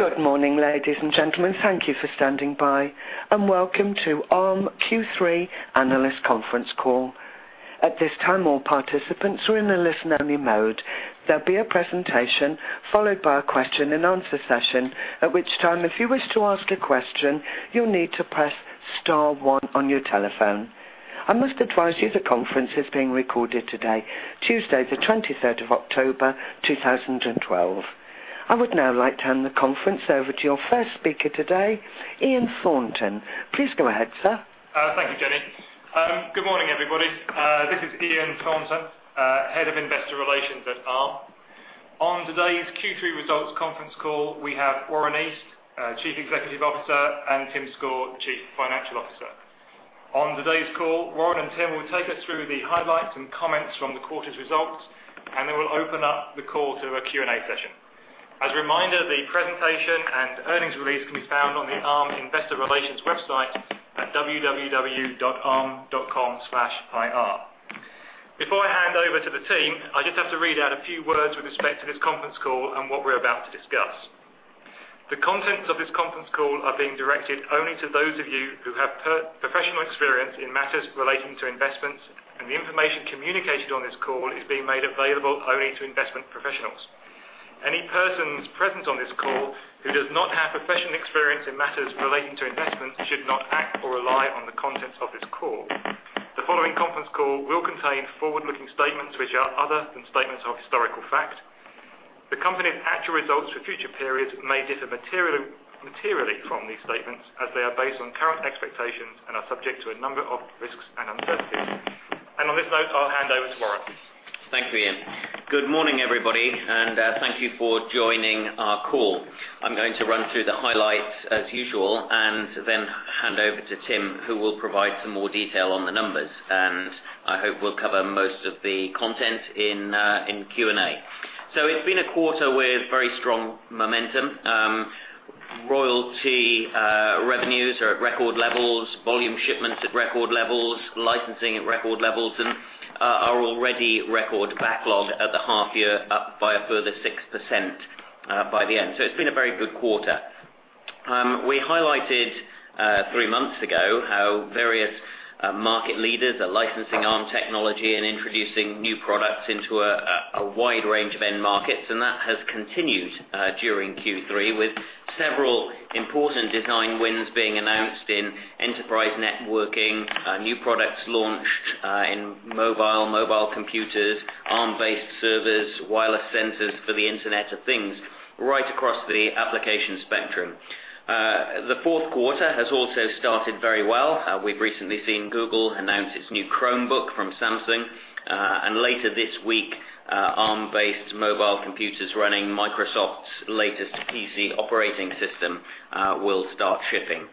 Good morning, ladies and gentlemen. Thank you for standing by, and welcome to Arm Q3 analyst conference call. At this time, all participants are in a listen-only mode. There'll be a presentation followed by a question and answer session, at which time, if you wish to ask a question, you'll need to press star one on your telephone. I must advise you the conference is being recorded today, Tuesday, the 23rd of October, 2012. I would now like to hand the conference over to your first speaker today, Ian Thornton. Please go ahead, sir. Thank you, Jenny. Good morning, everybody. This is Ian Thornton, Head of Investor Relations at Arm. On today's Q3 results conference call, we have Warren East, Chief Executive Officer, and Tim Score, the Chief Financial Officer. On today's call, Warren and Tim will take us through the highlights and comments from the quarter's results, then we'll open up the call to a Q&A session. As a reminder, the presentation and earnings release can be found on the Arm Investor Relations website at www.arm.com/ir. Before I hand over to the team, I just have to read out a few words with respect to this conference call and what we're about to discuss. The contents of this conference call are being directed only to those of you who have professional experience in matters relating to investments, and the information communicated on this call is being made available only to investment professionals. Any persons present on this call who does not have professional experience in matters relating to investments should not act or rely on the contents of this call. The following conference call will contain forward-looking statements which are other than statements of historical fact. The company's actual results for future periods may differ materially from these statements, as they are based on current expectations and are subject to a number of risks and uncertainties. On this note, I'll hand over to Warren. Thank you, Ian. Good morning, everybody, and thank you for joining our call. I'm going to run through the highlights as usual, then hand over to Tim, who will provide some more detail on the numbers. I hope we'll cover most of the content in Q&A. It's been a quarter with very strong momentum. Royalty revenues are at record levels, volume shipments at record levels, licensing at record levels, and our already record backlog at the half year up by a further 6% by the end. It's been a very good quarter. We highlighted three months ago how various market leaders are licensing Arm technology and introducing new products into a wide range of end markets, and that has continued during Q3, with several important design wins being announced in enterprise networking, new products launched in mobile computers, Arm-based servers, wireless sensors for the Internet of Things, right across the application spectrum. The fourth quarter has also started very well. We've recently seen Google announce its new Chromebook from Samsung, and later this week, Arm-based mobile computers running Microsoft's latest PC operating system will start shipping.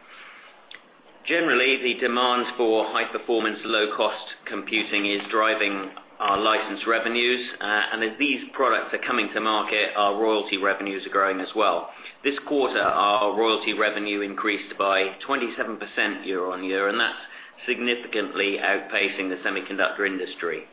Generally, the demand for high performance, low cost computing is driving our license revenues. As these products are coming to market, our royalty revenues are growing as well. This quarter, our royalty revenue increased by 27% year-on-year, and that's significantly outpacing the semiconductor industry.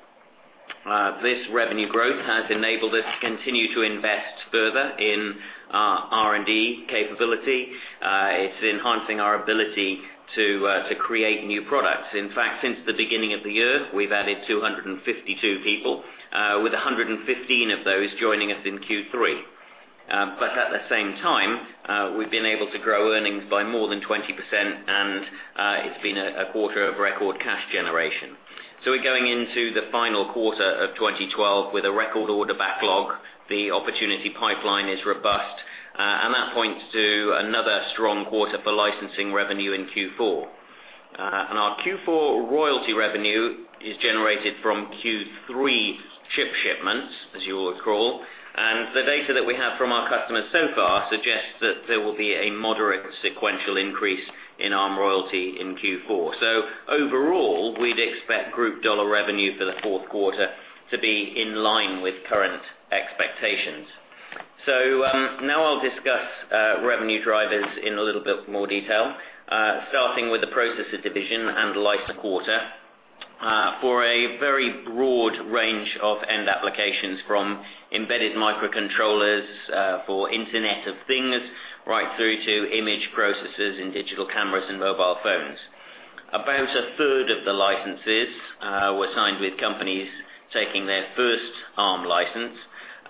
This revenue growth has enabled us to continue to invest further in our R&D capability. It's enhancing our ability to create new products. In fact, since the beginning of the year, we've added 252 people, with 115 of those joining us in Q3. At the same time, we've been able to grow earnings by more than 20% and it's been a quarter of record cash generation. We're going into the final quarter of 2012 with a record order backlog. The opportunity pipeline is robust, and that points to another strong quarter for licensing revenue in Q4. Our Q4 royalty revenue is generated from Q3 shipments, as you will recall. The data that we have from our customers so far suggests that there will be a moderate sequential increase in Arm royalty in Q4. Overall, we'd expect group dollar revenue for the fourth quarter to be in line with current expectations. Now I'll discuss revenue drivers in a little bit more detail. Starting with the processor division and license quarter. For a very broad range of end applications from embedded microcontrollers for Internet of Things, right through to image processes in digital cameras and mobile phones. About a third of the licenses were signed with companies taking their first Arm license.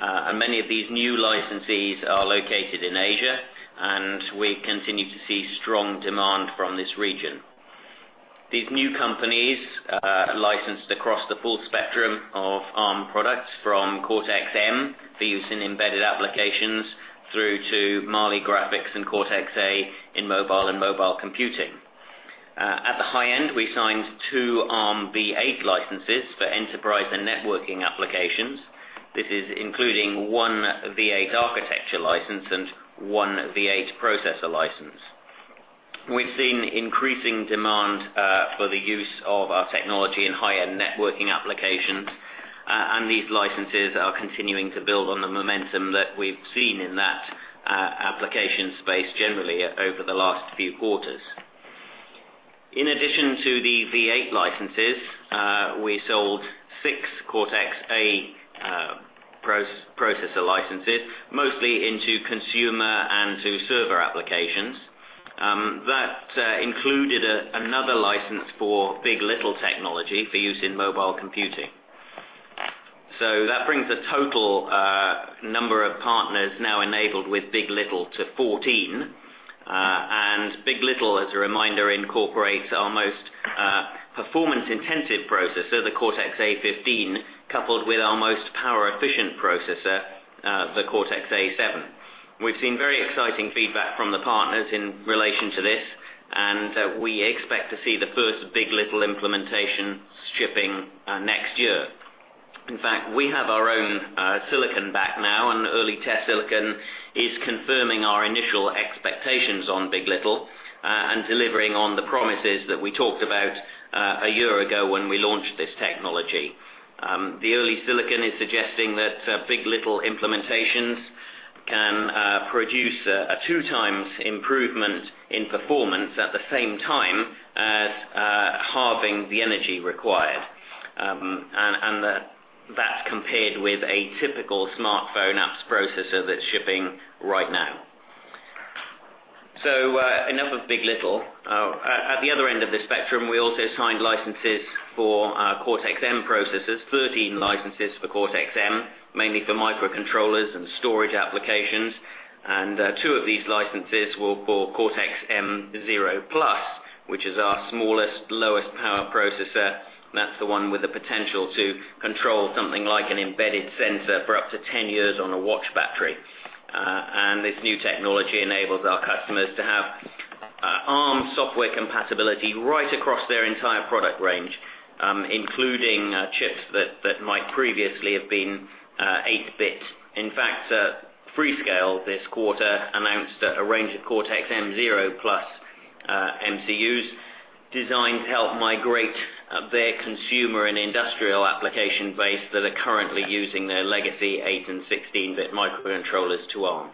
Many of these new licensees are located in Asia, and we continue to see strong demand from this region. These new companies are licensed across the full spectrum of Arm products from Cortex-M, for use in embedded applications, through to Mali graphics and Cortex-A in mobile and mobile computing. At the high end, we signed two Armv8 licenses for enterprise and networking applications. This is including one Armv8 architecture license and one Armv8 processor license. We've seen increasing demand for the use of our technology in high-end networking applications, and these licenses are continuing to build on the momentum that we've seen in that application space generally over the last few quarters. In addition to the Armv8 licenses, we sold six Cortex-A processor licenses, mostly into consumer and to server applications. That included another license for big. LITTLE technology for use in mobile computing. That brings the total number of partners now enabled with big. LITTLE to 14. big. LITTLE, as a reminder, incorporates our most performance-intensive processor, the Cortex-A15, coupled with our most power-efficient processor, the Cortex-A7. We've seen very exciting feedback from the partners in relation to this, and we expect to see the first big. LITTLE implementation shipping next year. In fact, we have our own silicon back now, early test silicon is confirming our initial expectations on big. LITTLE, delivering on the promises that we talked about a year ago when we launched this technology. The early silicon is suggesting that big. LITTLE implementations can produce a 2x improvement in performance at the same time as halving the energy required. That's compared with a typical smartphone apps processor that's shipping right now. Enough of big. LITTLE. At the other end of the spectrum, we also signed licenses for our Cortex-M processors, 13 licenses for Cortex-M, mainly for microcontrollers and storage applications. Two of these licenses were for Cortex-M0+, which is our smallest, lowest power processor. That's the one with the potential to control something like an embedded sensor for up to 10 years on a watch battery. This new technology enables our customers to have Arm software compatibility right across their entire product range, including chips that might previously have been 8-bit. In fact, Freescale this quarter announced a range of Cortex-M0+ MCUs designed to help migrate their consumer and industrial application base that are currently using their legacy 8-bit and 16-bit microcontrollers to Arm.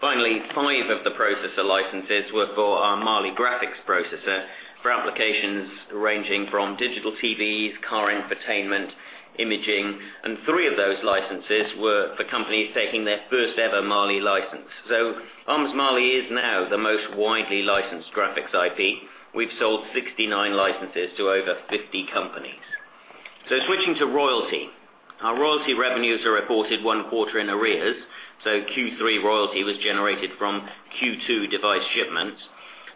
Finally, five of the processor licenses were for our Mali graphics processor for applications ranging from digital TVs, car entertainment, imaging, three of those licenses were for companies taking their first ever Mali license. Arm's Mali is now the most widely licensed graphics IP. We've sold 69 licenses to over 50 companies. Switching to royalty. Our royalty revenues are reported one quarter in arrears, Q3 royalty was generated from Q2 device shipments.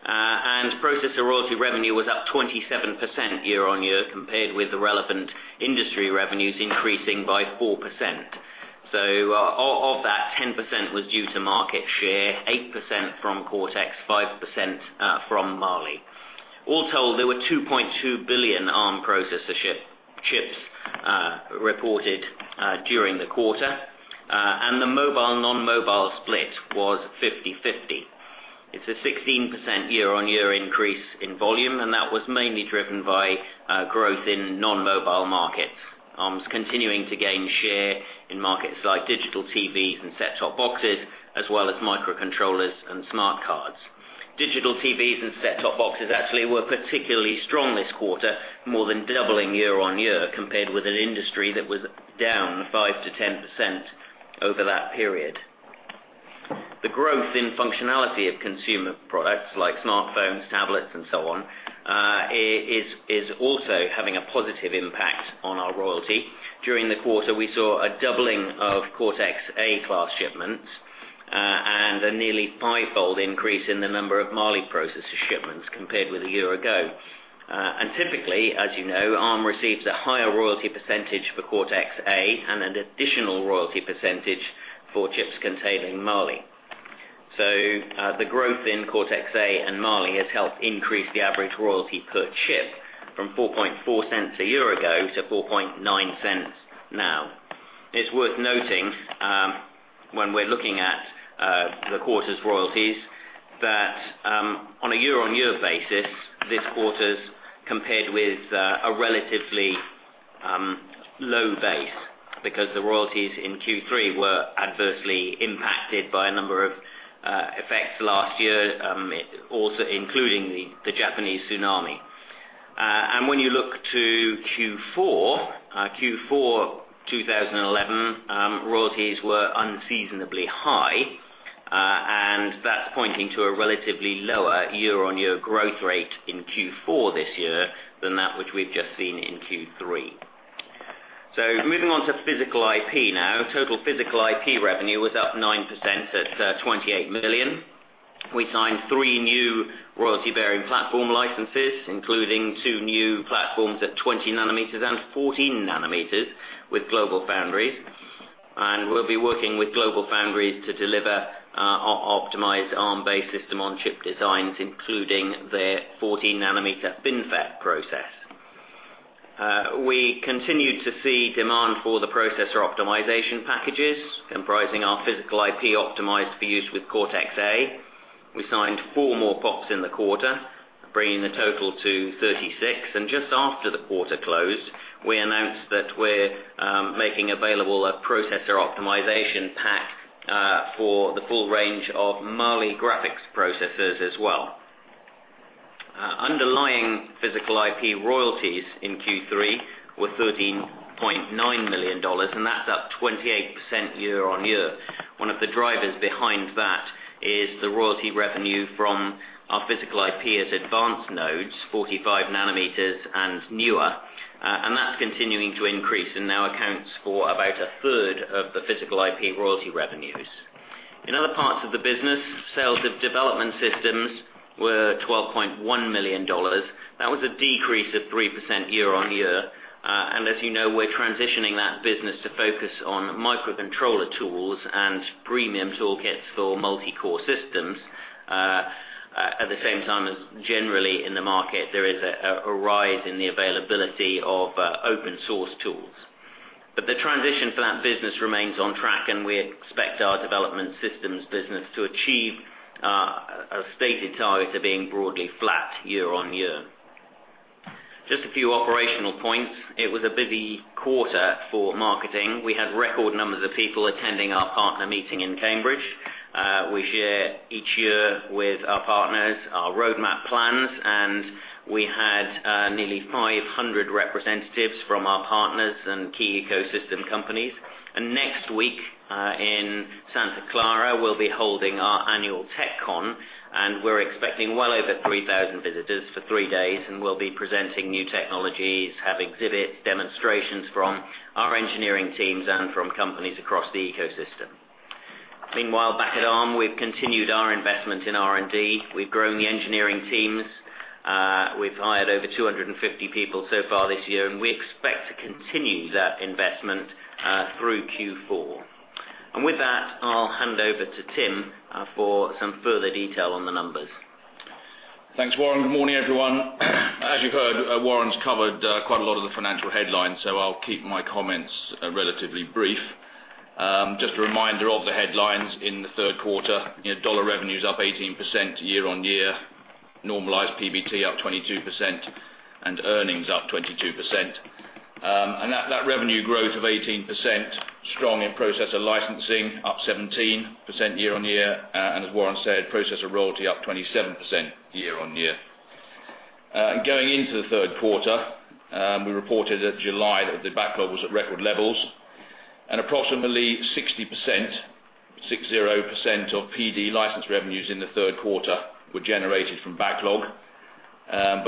Processor royalty revenue was up 27% year-on-year compared with the relevant industry revenues increasing by 4%. Of that, 10% was due to market share, 8% from Cortex, 5% from Mali. All told, there were 2.2 billion Arm processor chips reported during the quarter. The mobile non-mobile split was 50/50. It's a 16% year-on-year increase in volume, and that was mainly driven by growth in non-mobile markets. Arm is continuing to gain share in markets like digital TVs and set-top boxes, as well as microcontrollers and smart cards. Digital TVs and set-top boxes actually were particularly strong this quarter, more than doubling year-on-year compared with an industry that was down 5%-10% over that period. The growth in functionality of consumer products like smartphones, tablets, and so on, is also having a positive impact on our royalty. During the quarter, we saw a doubling of Cortex-A class shipments, a nearly fivefold increase in the number of Mali processor shipments compared with a year ago. Typically, as you know, Arm receives a higher royalty percentage for Cortex-A and an additional royalty percentage for chips containing Mali. The growth in Cortex-A and Mali has helped increase the average royalty per chip from $0.044 a year ago to $0.049 now. It's worth noting, when we're looking at the quarter's royalties, that on a year-on-year basis, this quarter's compared with a relatively low base because the royalties in Q3 were adversely impacted by a number of effects last year, also including the Japanese tsunami. When you look to Q4 2011, royalties were unseasonably high. That's pointing to a relatively lower year-on-year growth rate in Q4 this year than that which we've just seen in Q3. Moving on to physical IP now. Total physical IP revenue was up 9% at 28 million. We signed 3 new royalty-bearing platform licenses, including 2 new platforms at 20 nanometers and 14 nanometers with GlobalFoundries. We'll be working with GlobalFoundries to deliver our optimized Arm-based system-on-chip designs, including their 14 nanometer FinFET process. We continue to see demand for the processor optimization packages comprising our physical IP optimized for use with Cortex-A. We signed 4 more PoPs in the quarter, bringing the total to 36. Just after the quarter closed, we announced that we're making available a processor optimization pack for the full range of Mali graphics processors as well. Underlying physical IP royalties in Q3 were $13.9 million, that's up 28% year-on-year. One of the drivers behind that is the royalty revenue from our physical IP at advanced nodes, 45 nanometers and newer. That's continuing to increase and now accounts for a third of the physical IP royalty revenues. In other parts of the business, sales of development systems were $12.1 million. That was a decrease of 3% year-on-year. As you know, we're transitioning that business to focus on microcontroller tools and premium toolkits for multi-core systems. At the same time as generally in the market, there is a rise in the availability of open source tools. The transition for that business remains on track, and we expect our development systems business to achieve our stated target of being broadly flat year-on-year. Just a few operational points. It was a busy quarter for marketing. We had record numbers of people attending our partner meeting in Cambridge. We share each year with our partners our roadmap plans, we had 500 representatives from our partners and key ecosystem companies. Next week, in Santa Clara, we'll be holding our annual TechCon, we're expecting 3,000 visitors for 3 days, we'll be presenting new technologies, have exhibits, demonstrations from our engineering teams and from companies across the ecosystem. Meanwhile, back at Arm, we've continued our investment in R&D. We've grown the engineering teams. We've hired 250 people so far this year, we expect to continue that investment through Q4. With that, I'll hand over to Tim for some further detail on the numbers. Thanks, Warren. Good morning, everyone. As you've heard, Warren's covered quite a lot of the financial headlines, I'll keep my comments relatively brief. Just a reminder of the headlines in the third quarter. Dollar revenue is up 18% year-on-year. Normalized PBT up 22%, earnings up 22%. That revenue growth of 18%, strong in processor licensing up 17% year-on-year, as Warren said, processor royalty up 27% year-on-year. Going into the third quarter, we reported that July that the backlog was at record levels, approximately 60% of PD license revenues in the third quarter were generated from backlog.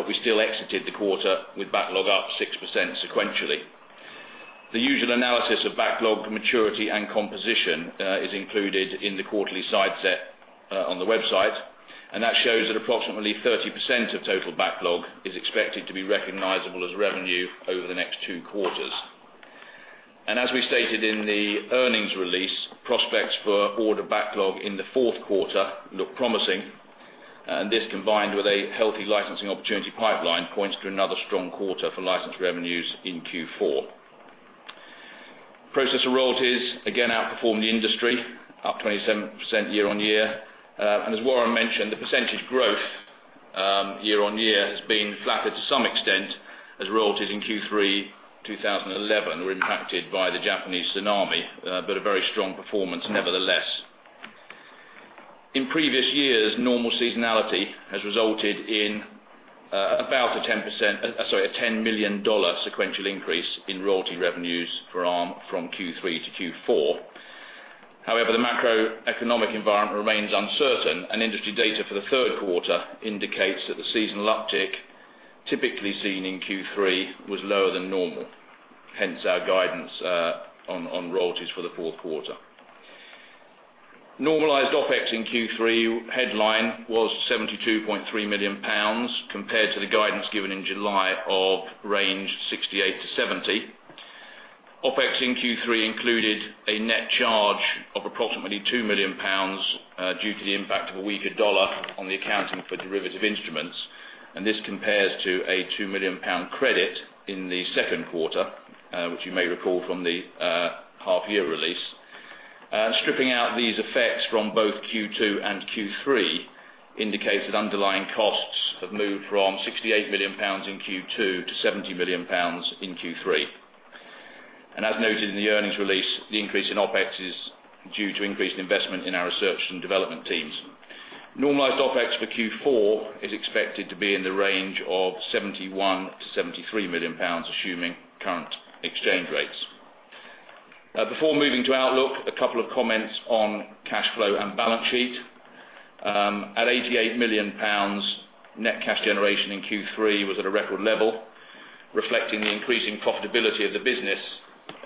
We still exited the quarter with backlog up 6% sequentially. The usual analysis of backlog maturity and composition is included in the quarterly slide set on the website, that shows that approximately 30% of total backlog is expected to be recognizable as revenue over the next two quarters. As we stated in the earnings release, prospects for order backlog in the fourth quarter look promising, and this combined with a healthy licensing opportunity pipeline points to another strong quarter for license revenues in Q4. Processor royalties again outperformed the industry, up 27% year-on-year. As Warren mentioned, the percentage growth year-on-year has been flatter to some extent as royalties in Q3 2011 were impacted by the Japanese tsunami. A very strong performance nevertheless. In previous years, normal seasonality has resulted in about a $10 million sequential increase in royalty revenues for Arm from Q3 to Q4. However, the macroeconomic environment remains uncertain, and industry data for the third quarter indicates that the seasonal uptick typically seen in Q3 was lower than normal, hence our guidance on royalties for the fourth quarter. Normalized OpEx in Q3 headline was £72.3 million compared to the guidance given in July of range £68 million-£70 million. OpEx in Q3 included a net charge of approximately £2 million due to the impact of a weaker dollar on the accounting for derivative instruments, and this compares to a £2 million credit in the second quarter, which you may recall from the half year release. Stripping out these effects from both Q2 and Q3 indicates that underlying costs have moved from £68 million in Q2 to £70 million in Q3. As noted in the earnings release, the increase in OpEx is due to increased investment in our research and development teams. Normalized OpEx for Q4 is expected to be in the range of £71 million-£73 million, assuming current exchange rates. Before moving to outlook, a couple of comments on cash flow and balance sheet. At £88 million, net cash generation in Q3 was at a record level, reflecting the increasing profitability of the business,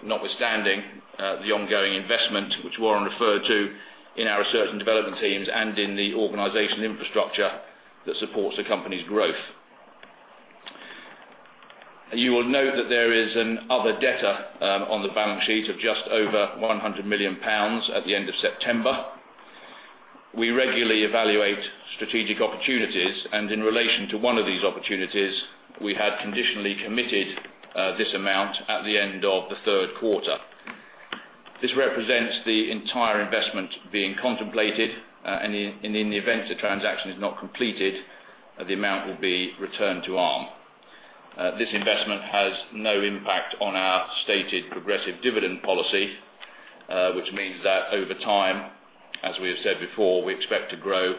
notwithstanding the ongoing investment which Warren referred to in our research and development teams and in the organization infrastructure that supports the company's growth. You will note that there is an other debtor on the balance sheet of just over £100 million at the end of September. We regularly evaluate strategic opportunities, and in relation to one of these opportunities, we had conditionally committed this amount at the end of the third quarter. This represents the entire investment being contemplated, and in the event the transaction is not completed, the amount will be returned to Arm. This investment has no impact on our stated progressive dividend policy, which means that over time, as we have said before, we expect to grow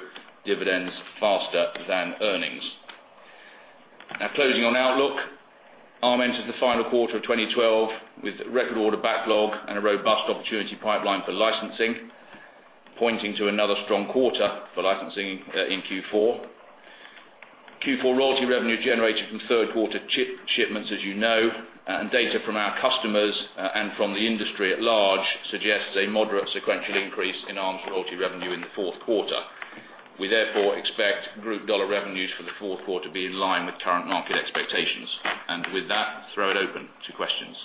dividends faster than earnings. Now closing on outlook. Arm entered the final quarter of 2012 with record order backlog and a robust opportunity pipeline for licensing, pointing to another strong quarter for licensing in Q4. Q4 royalty revenue generated from third-quarter shipments, as you know, and data from our customers and from the industry at large suggests a moderate sequential increase in Arm's royalty revenue in the fourth quarter. We therefore expect group dollar revenues for the fourth quarter to be in line with current market expectations. With that, throw it open to questions.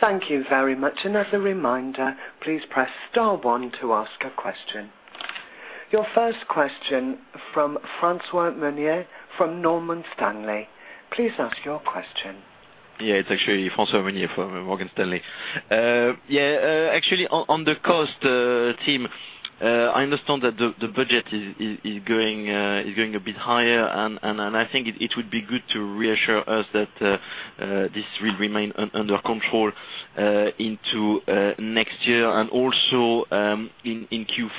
Thank you very much. As a reminder, please press star one to ask a question. Your first question from François Meunier from Morgan Stanley. Please ask your question. Yeah. It's actually François Meunier from Morgan Stanley. On the cost, Tim, I understand that the budget is going a bit higher, I think it would be good to reassure us that this will remain under control into next year. Also, in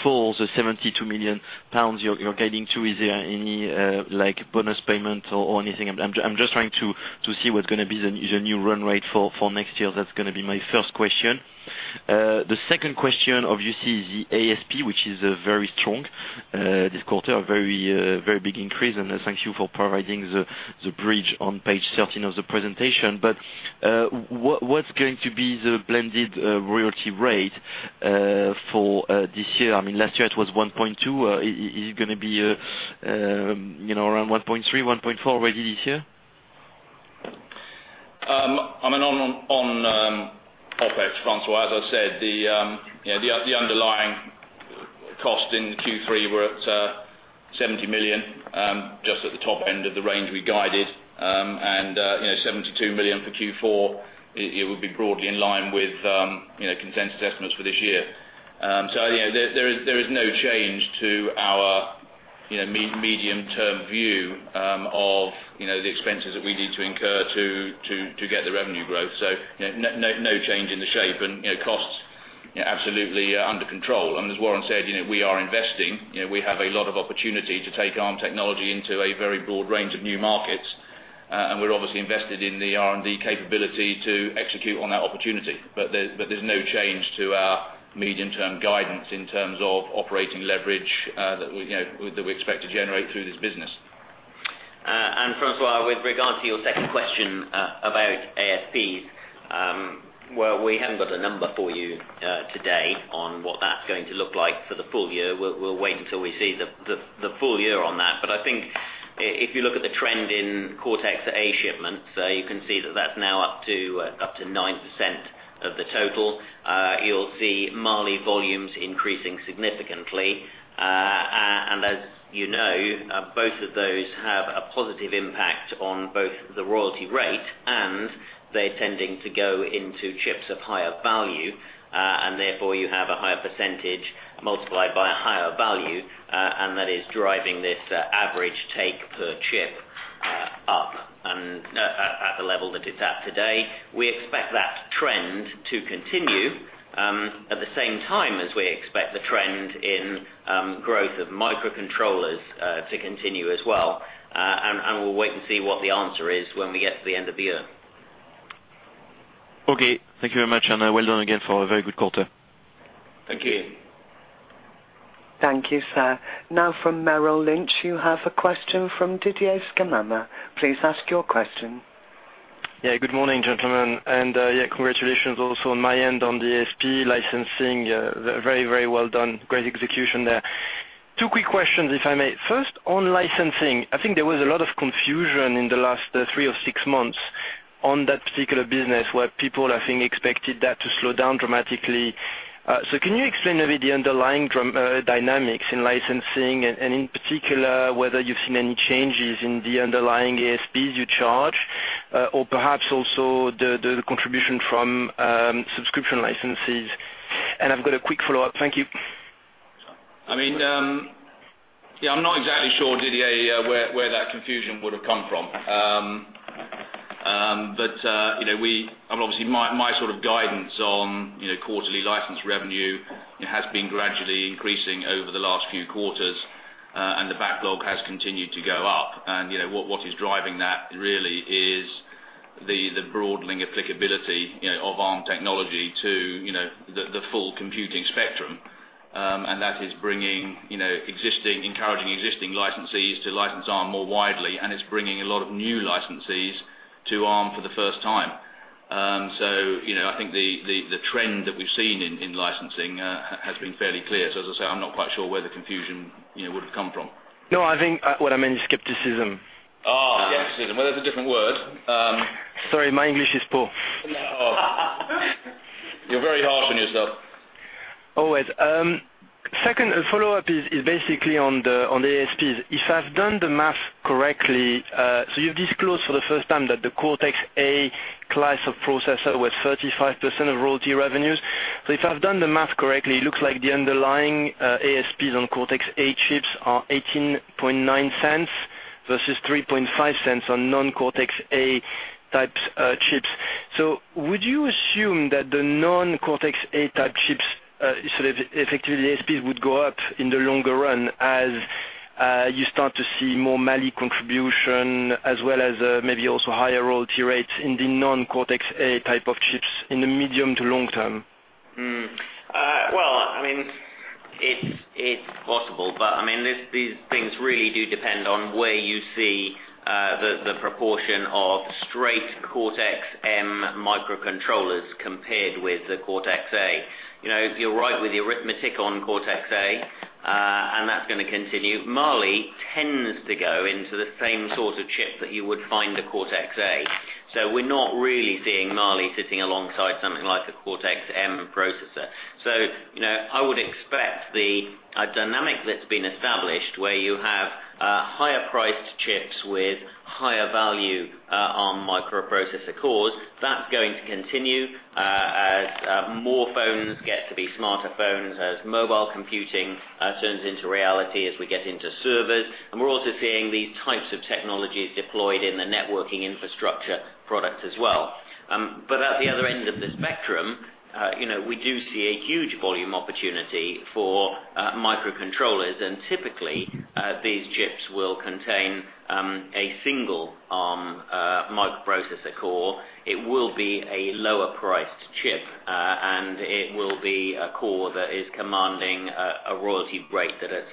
Q4, the 72 million pounds you're guiding to, is there any bonus payment or anything? I'm just trying to see what's going to be the new run rate for next year. That's going to be my first question. The second question obviously is the ASP, which is very strong this quarter, a very big increase, and thank you for providing the bridge on page 13 of the presentation. What's going to be the blended royalty rate for this year? Last year it was 1.2. Is it going to be around 1.3, 1.4 already this year? On OpEx, François, as I said, the underlying cost in Q3 were at 70 million, just at the top end of the range we guided. 72 million for Q4, it would be broadly in line with consensus estimates for this year. There is no change to our medium-term view of the expenses that we need to incur to get the revenue growth. No change in the shape and costs absolutely are under control. As Warren said, we are investing. We have a lot of opportunity to take Arm technology into a very broad range of new markets, and we're obviously invested in the R&D capability to execute on that opportunity. There's no change to our medium-term guidance in terms of operating leverage that we expect to generate through this business. François, with regard to your second question about ASPs, well, we haven't got a number for you today on what that's going to look like for the full year. We'll wait until we see the full year on that. I think if you look at the trend in Cortex-A shipments, you can see that that's now up to 9% of the total. You'll see Mali volumes increasing significantly. As you know, both of those have a positive impact on both the royalty rate, and they're tending to go into chips of higher value. Therefore, you have a higher percentage multiplied by a higher value, and that is driving this average take per chip up. At the level that it's at today, we expect that trend to continue at the same time as we expect the trend in growth of microcontrollers to continue as well. We'll wait and see what the answer is when we get to the end of the year. Okay. Thank you very much, and well done again for a very good quarter. Thank you. Thank you, sir. From Merrill Lynch, you have a question from Didier Scemama. Please ask your question. Yeah. Good morning, gentlemen. Congratulations also on my end on the ASP licensing. Very well done. Great execution there. Two quick questions, if I may. First, on licensing, I think there was a lot of confusion in the last three or six months on that particular business where people, I think, expected that to slow down dramatically. Can you explain a bit the underlying dynamics in licensing and, in particular, whether you've seen any changes in the underlying ASPs you charge or perhaps also the contribution from subscription licenses? I've got a quick follow-up. Thank you. I'm not exactly sure, Didier, where that confusion would have come from. Obviously, my sort of guidance on quarterly license revenue has been gradually increasing over the last few quarters. The backlog has continued to go up. What is driving that really is the broadening applicability of Arm technology to the full computing spectrum. That is encouraging existing licensees to license Arm more widely, and it's bringing a lot of new licensees to Arm for the first time. I think the trend that we've seen in licensing has been fairly clear. As I say, I'm not quite sure where the confusion would have come from. No, I think what I meant is skepticism. Skepticism. Well, that's a different word. Sorry, my English is poor. Oh. You're very harsh on yourself. Always. Second follow-up is basically on the ASPs. If I've done the math correctly, you've disclosed for the first time that the Cortex-A class of processor was 35% of royalty revenues. If I've done the math correctly, it looks like the underlying ASPs on Cortex-A chips are 0.189. Versus 0.035 on non-Cortex-A type chips. Would you assume that the non-Cortex-A type chips, effectively ASPs would go up in the longer run as you start to see more Mali contribution as well as maybe also higher royalty rates in the non-Cortex-A type of chips in the medium to long term? It's possible, but these things really do depend on where you see the proportion of straight Cortex-M microcontrollers compared with the Cortex-A. You're right with the arithmetic on Cortex-A, that's going to continue. Mali tends to go into the same sort of chip that you would find a Cortex-A. We're not really seeing Mali sitting alongside something like a Cortex-M processor. I would expect the dynamic that's been established, where you have higher priced chips with higher value Arm microprocessor cores, that's going to continue as more phones get to be smarter phones, as mobile computing turns into reality, as we get into servers. We're also seeing these types of technologies deployed in the networking infrastructure product as well. At the other end of the spectrum, we do see a huge volume opportunity for microcontrollers, and typically, these chips will contain a single Arm microprocessor core. It will be a lower priced chip, and it will be a core that is commanding a royalty rate that is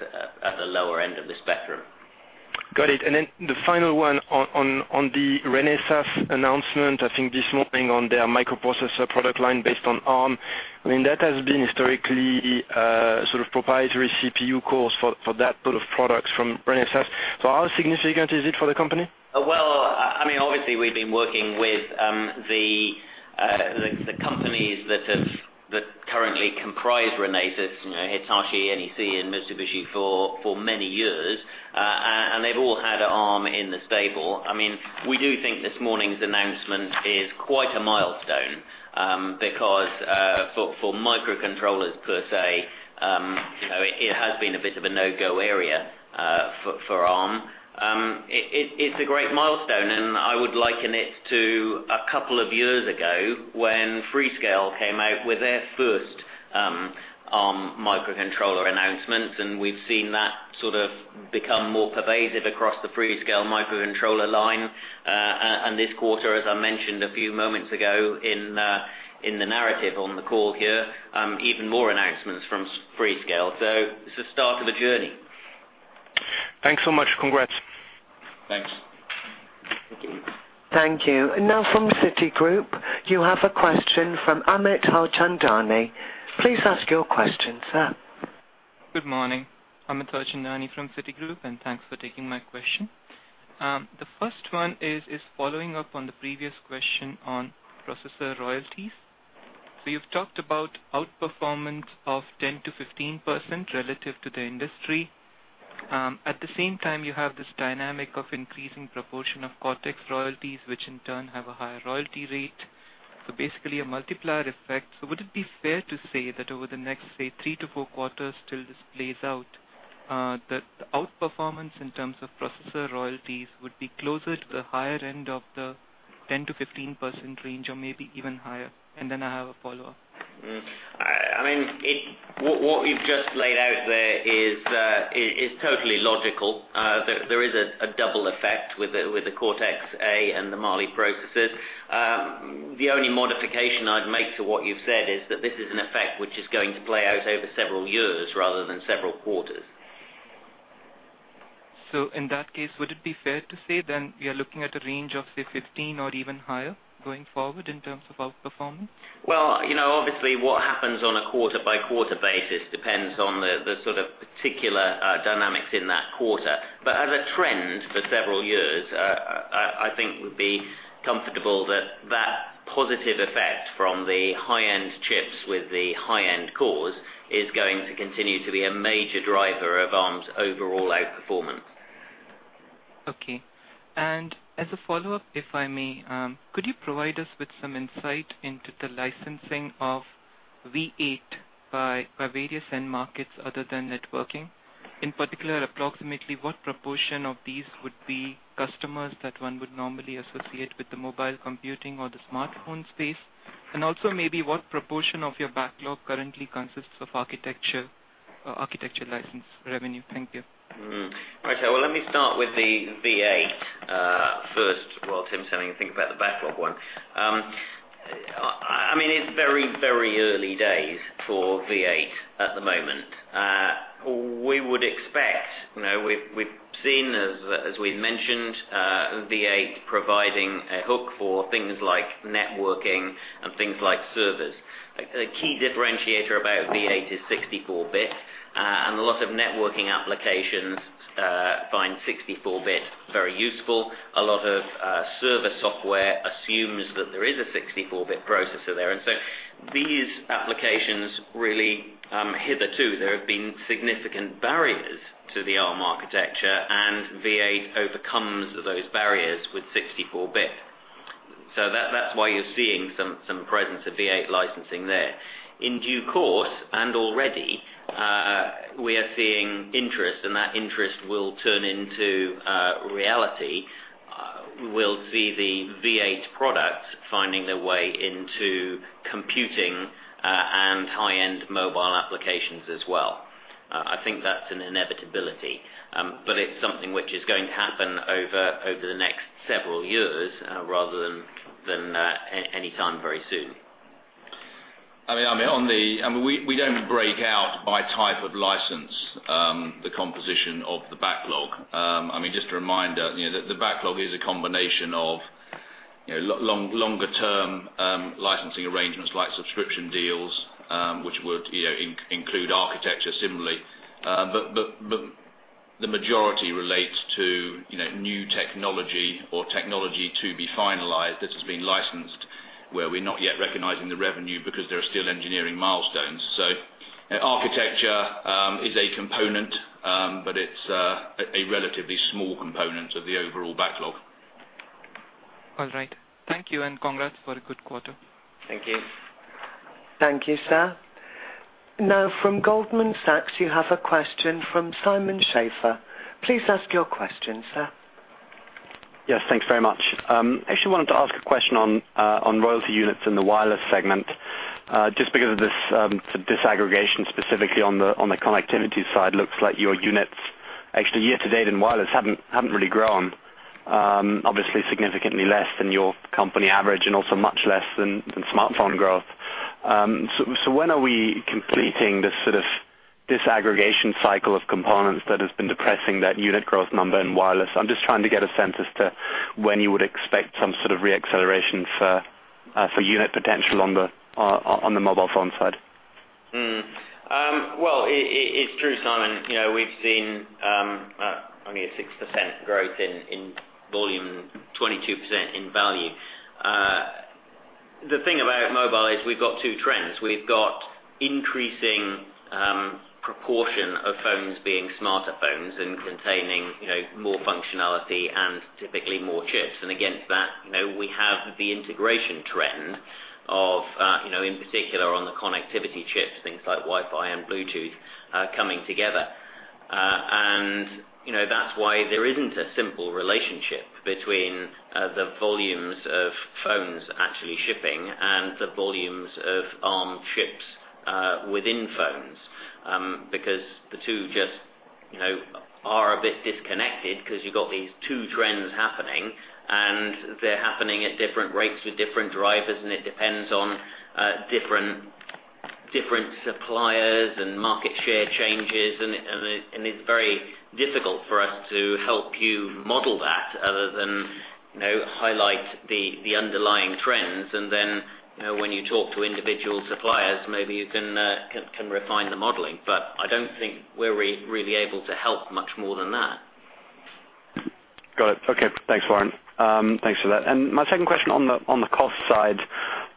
at the lower end of the spectrum. Got it. Then the final one on the Renesas announcement, I think this morning on their microprocessor product line based on Arm. That has been historically sort of proprietary CPU cores for that pool of products from Renesas. How significant is it for the company? Well, obviously, we've been working with the companies that currently comprise Renesas, Hitachi, NEC, and Mitsubishi, for many years. They've all had Arm in the stable. We do think this morning's announcement is quite a milestone, because, for microcontrollers per se, it has been a bit of a no-go area for Arm. It's a great milestone, and I would liken it to a couple of years ago when Freescale came out with their first Arm microcontroller announcement, and we've seen that sort of become more pervasive across the Freescale microcontroller line. This quarter, as I mentioned a few moments ago in the narrative on the call here, even more announcements from Freescale. It's the start of a journey. Thanks so much. Congrats. Thanks. Thank you. From Citigroup, you have a question from Amit Harchandani. Please ask your question, sir. Good morning. Amit Harchandani from Citigroup, thanks for taking my question. The first one is following up on the previous question on processor royalties. You've talked about outperformance of 10%-15% relative to the industry. At the same time, you have this dynamic of increasing proportion of Cortex royalties, which in turn have a higher royalty rate. Basically a multiplier effect. Would it be fair to say that over the next, say, three to four quarters till this plays out, that the outperformance in terms of processor royalties would be closer to the higher end of the 10%-15% range or maybe even higher? Then I have a follow-up. What we've just laid out there is totally logical. There is a double effect with the Cortex-A and the Mali processors. The only modification I'd make to what you've said is that this is an effect which is going to play out over several years rather than several quarters. In that case, would it be fair to say then we are looking at a range of, say, 15% or even higher going forward in terms of outperformance? Well, obviously, what happens on a quarter-by-quarter basis depends on the sort of particular dynamics in that quarter. As a trend for several years, I think we'd be comfortable that that positive effect from the high-end chips with the high-end cores is going to continue to be a major driver of Arm's overall outperformance. Okay. As a follow-up, if I may, could you provide us with some insight into the licensing of V8 by various end markets other than networking? In particular, approximately what proportion of these would be customers that one would normally associate with the mobile computing or the smartphone space? Also maybe what proportion of your backlog currently consists of architecture license revenue? Thank you. Right. Well, let me start with the V8 first while Tim's having a think about the backlog one. It's very early days for V8 at the moment. We've seen, as we mentioned, V8 providing a hook for things like networking and things like servers. A key differentiator about V8 is 64-bit, and a lot of networking applications find 64-bit very useful. A lot of server software assumes that there is a 64-bit processor there. These applications really hitherto, there have been significant barriers to the Arm architecture, and V8 overcomes those barriers with 64-bit. That's why you're seeing some presence of V8 licensing there. In due course, already, we are seeing interest, and that interest will turn into reality. We'll see the V8 products finding their way into computing and high-end mobile applications as well. I think that's an inevitability. It's something which is going to happen over the next several years rather than any time very soon. We don't break out by type of license, the composition of the backlog. Just a reminder, the backlog is a combination of longer-term licensing arrangements, like subscription deals which would include architecture similarly. The majority relates to new technology or technology to be finalized that has been licensed, where we're not yet recognizing the revenue because there are still engineering milestones. Architecture is a component, but it's a relatively small component of the overall backlog. All right. Thank you, and congrats for a good quarter. Thank you. Thank you, sir. From Goldman Sachs, you have a question from Simon Schafer. Please ask your question, sir. Yes. Thanks very much. Actually wanted to ask a question on royalty units in the wireless segment. Just because of this disaggregation specifically on the connectivity side, looks like your units actually year to date in wireless haven't really grown. Obviously significantly less than your company average and also much less than smartphone growth. When are we completing this sort of disaggregation cycle of components that has been depressing that unit growth number in wireless? I'm just trying to get a sense as to when you would expect some sort of re-acceleration for unit potential on the mobile phone side. Well, it's true, Simon. We've seen only a 6% growth in volume, 22% in value. The thing about mobile is we've got two trends. We've got increasing proportion of phones being smarter phones and containing more functionality and typically more chips. Against that, we have the integration trend of, in particular on the connectivity chips, things like Wi-Fi and Bluetooth coming together. That's why there isn't a simple relationship between the volumes of phones actually shipping and the volumes of Arm chips within phones. The two just are a bit disconnected because you've got these two trends happening, and they're happening at different rates with different drivers, and it depends on different suppliers and market share changes, and it's very difficult for us to help you model that other than highlight the underlying trends. When you talk to individual suppliers, maybe you can refine the modeling. I don't think we're really able to help much more than that. Got it. Okay. Thanks, Warren. Thanks for that. My second question on the cost side,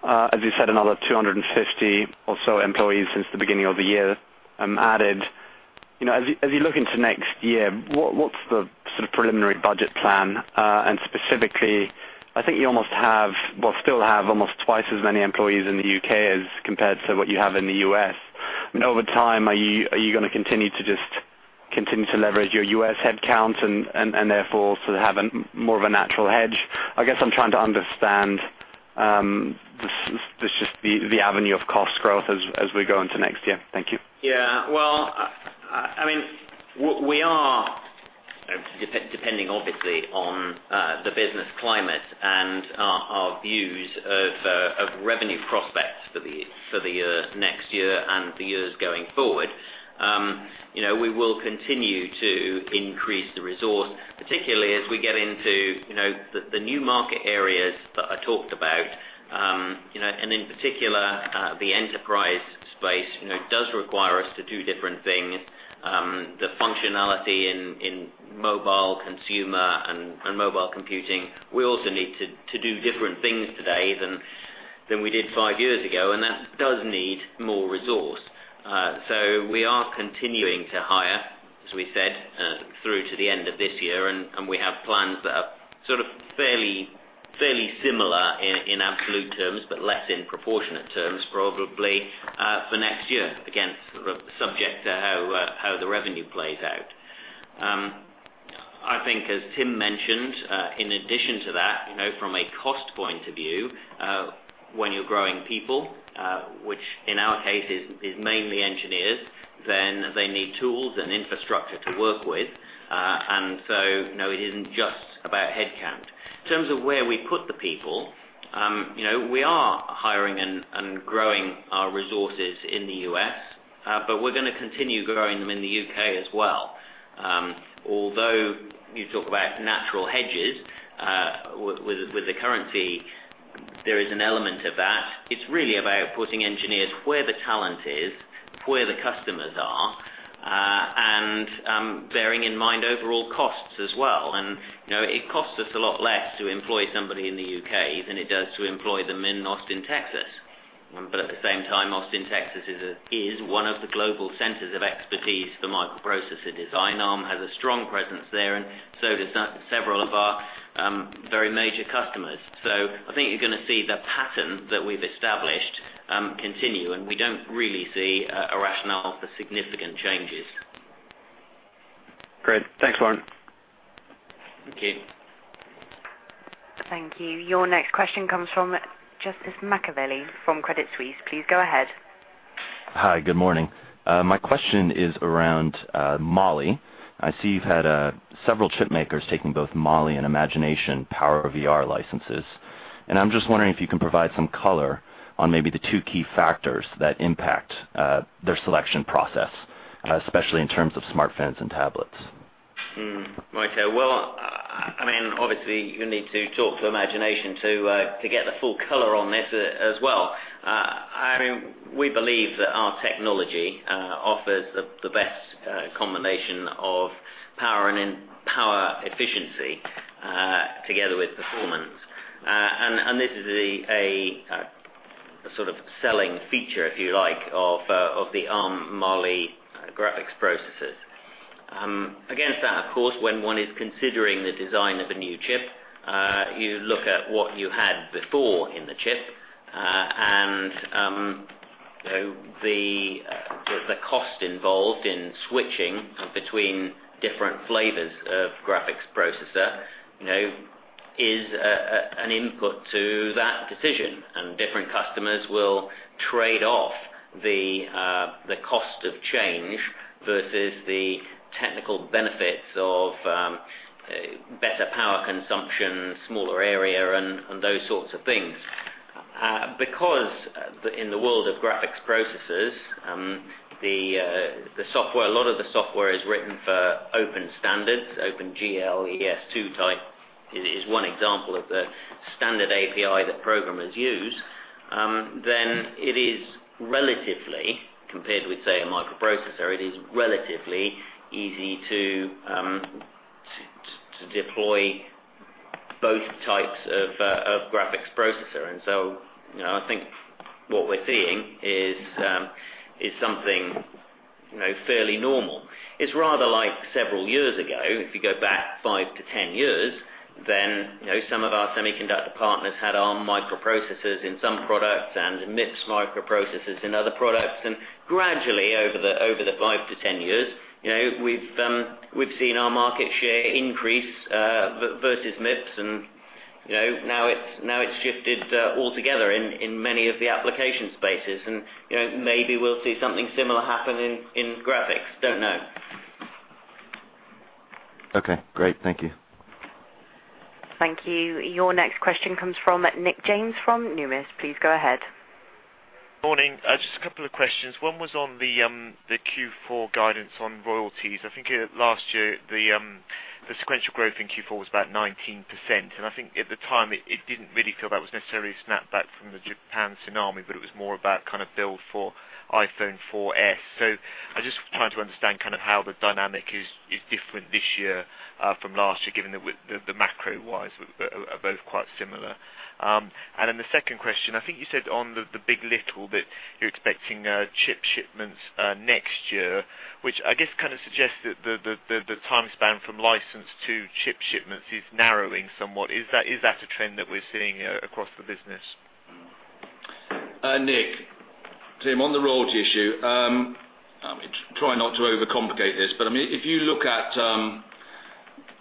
as you said, another 250 or so employees since the beginning of the year added. As you look into next year, what's the sort of preliminary budget plan? Specifically, I think you almost have, well, still have almost twice as many employees in the U.K. as compared to what you have in the U.S. Over time, are you going to continue to leverage your U.S. headcount and therefore have more of a natural hedge? I guess I'm trying to understand just the avenue of cost growth as we go into next year. Thank you. Well, we are depending obviously on the business climate and our views of revenue prospects for the next year and the years going forward. We will continue to increase the resource, particularly as we get into the new market areas that I talked about. In particular, the enterprise space does require us to do different things. The functionality in mobile consumer and mobile computing, we also need to do different things today than we did five years ago, and that does need more resource. We are continuing to hire, as we said, through to the end of this year, and we have plans that are sort of fairly similar in absolute terms, but less in proportionate terms, probably for next year, again, subject to how the revenue plays out. I think as Tim mentioned, in addition to that, from a cost point of view, when you're growing people, which in our case is mainly engineers, then they need tools and infrastructure to work with. It isn't just about headcount. In terms of where we put the people, we are hiring and growing our resources in the U.S., but we're going to continue growing them in the U.K. as well. Although you talk about natural hedges with the currency, there is an element of that. It's really about putting engineers where the talent is, where the customers are, and bearing in mind overall costs as well. It costs us a lot less to employ somebody in the U.K. than it does to employ them in Austin, Texas. At the same time, Austin, Texas is one of the global centers of expertise for microprocessor design. Arm has a strong presence there, and so does several of our very major customers. I think you're going to see the pattern that we've established continue, and we don't really see a rationale for significant changes. Great. Thanks, Warren. Thank you. Thank you. Your next question comes from Justus McAvilly from Credit Suisse. Please go ahead. Hi. Good morning. My question is around Mali. I see you've had several chip makers taking both Mali and Imagination PowerVR licenses, and I'm just wondering if you can provide some color on maybe the two key factors that impact their selection process, especially in terms of smartphones and tablets. Right. Well, obviously you need to talk to Imagination to get the full color on this as well. We believe that our technology offers the best combination of power and power efficiency together with performance. This is a sort of selling feature, if you like, of the Arm Mali graphics processors. Against that, of course, when one is considering the design of a new chip, you look at what you had before in the chip. The cost involved in switching between different flavors of graphics processor is an input to that decision. Different customers will trade off the cost of change versus the technical benefits of better power consumption, smaller area, and those sorts of things. In the world of graphics processors, a lot of the software is written for open standards. OpenGL ES 2 type is one example of the standard API that programmers use. It is relatively, compared with, say, a microprocessor, it is relatively easy to deploy both types of graphics processor. I think what we're seeing is something fairly normal. It's rather like several years ago, if you go back 5 to 10 years, some of our semiconductor partners had Arm microprocessors in some products and MIPS microprocessors in other products. Gradually over the 5 to 10 years, we've seen our market share increase versus MIPS. Now it's shifted altogether in many of the application spaces. Maybe we'll see something similar happen in graphics, don't know. Okay, great. Thank you. Thank you. Your next question comes from Nick James from Numis. Please go ahead. Morning. Just a couple of questions. One was on the Q4 guidance on royalties. I think last year, the sequential growth in Q4 was about 19%, and I think at the time it didn't really feel that was necessarily a snapback from the Japan tsunami, but it was more about build for iPhone 4S. I'm just trying to understand how the dynamic is different this year from last year, given the macro-wise are both quite similar. The second question, I think you said on the big. LITTLE that you're expecting chip shipments next year, which I guess suggests that the time span from license to chip shipments is narrowing somewhat. Is that a trend that we're seeing across the business? Nick. Tim, on the royalty issue, I'll try not to overcomplicate this. If you look at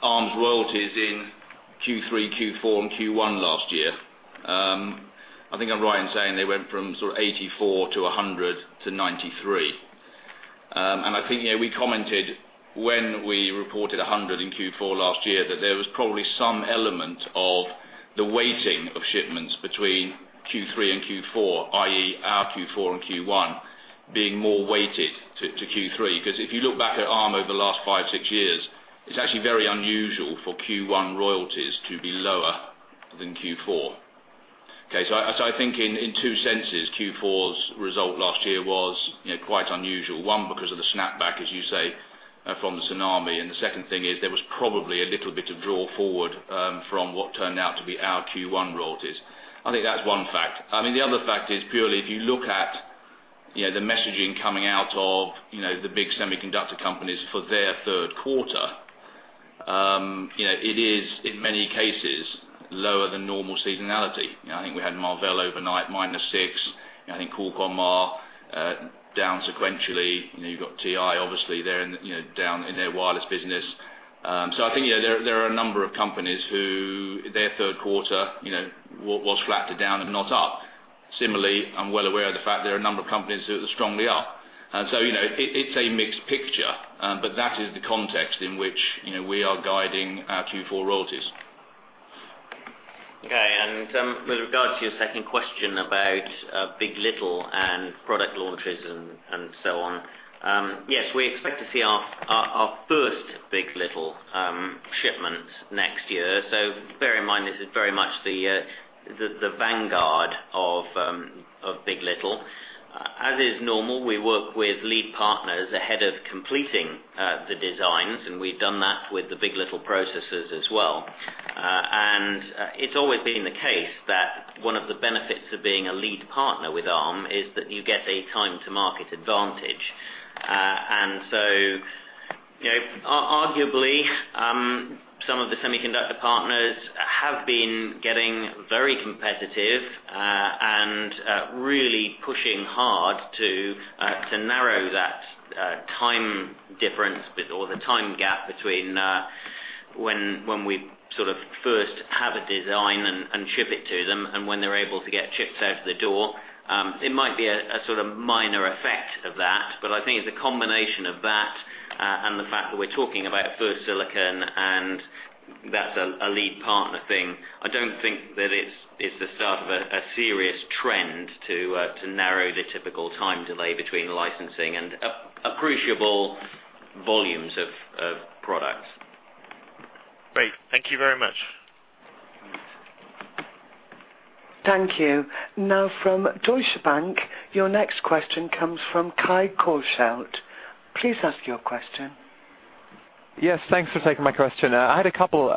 Arm's royalties in Q3, Q4, and Q1 last year, I think I'm right in saying they went from sort of 84 to 100 to 93. I think we commented when we reported 100 in Q4 last year, that there was probably some element of the weighting of shipments between Q3 and Q4, i.e., our Q4 and Q1 being more weighted to Q3. Because if you look back at Arm over the last 5, 6 years, it's actually very unusual for Q1 royalties to be lower than Q4. Okay. I think in two senses, Q4's result last year was quite unusual. One, because of the snapback, as you say, from the tsunami, and the second thing is there was probably a little bit of draw forward from what turned out to be our Q1 royalties. I think that's one fact. The other fact is purely if you look at the messaging coming out of the big semiconductor companies for their third quarter, it is in many cases lower than normal seasonality. I think we had Marvell overnight -6%, I think Qualcomm down sequentially. You've got TI obviously down in their wireless business. I think there are a number of companies who their third quarter was flat to down and not up. Similarly, I'm well aware of the fact there are a number of companies who are strongly up, and so it's a mixed picture. That is the context in which we are guiding our Q4 royalties. Okay. With regards to your second question about big. LITTLE and product launches and so on. Yes, we expect to see our first big. LITTLE shipments next year. Bear in mind, this is very much the vanguard of big. LITTLE. As is normal, we work with lead partners ahead of completing the designs, and we've done that with the big. LITTLE processors as well. It's always been the case that one of the benefits of being a lead partner with Arm is that you get a time to market advantage. Arguably, some of the semiconductor partners have been getting very competitive and really pushing hard to narrow that time difference or the time gap between when we first have a design and ship it to them and when they're able to get chips out the door. It might be a sort of minor effect of that, I think it's a combination of that and the fact that we're talking about first silicon, and that's a lead partner thing. I don't think that it's the start of a serious trend to narrow the typical time delay between licensing and appreciable volumes of products. Great. Thank you very much. Thank you. From Deutsche Bank. Your next question comes from Kai Korschelt. Please ask your question. Thanks for taking my question. I had a couple.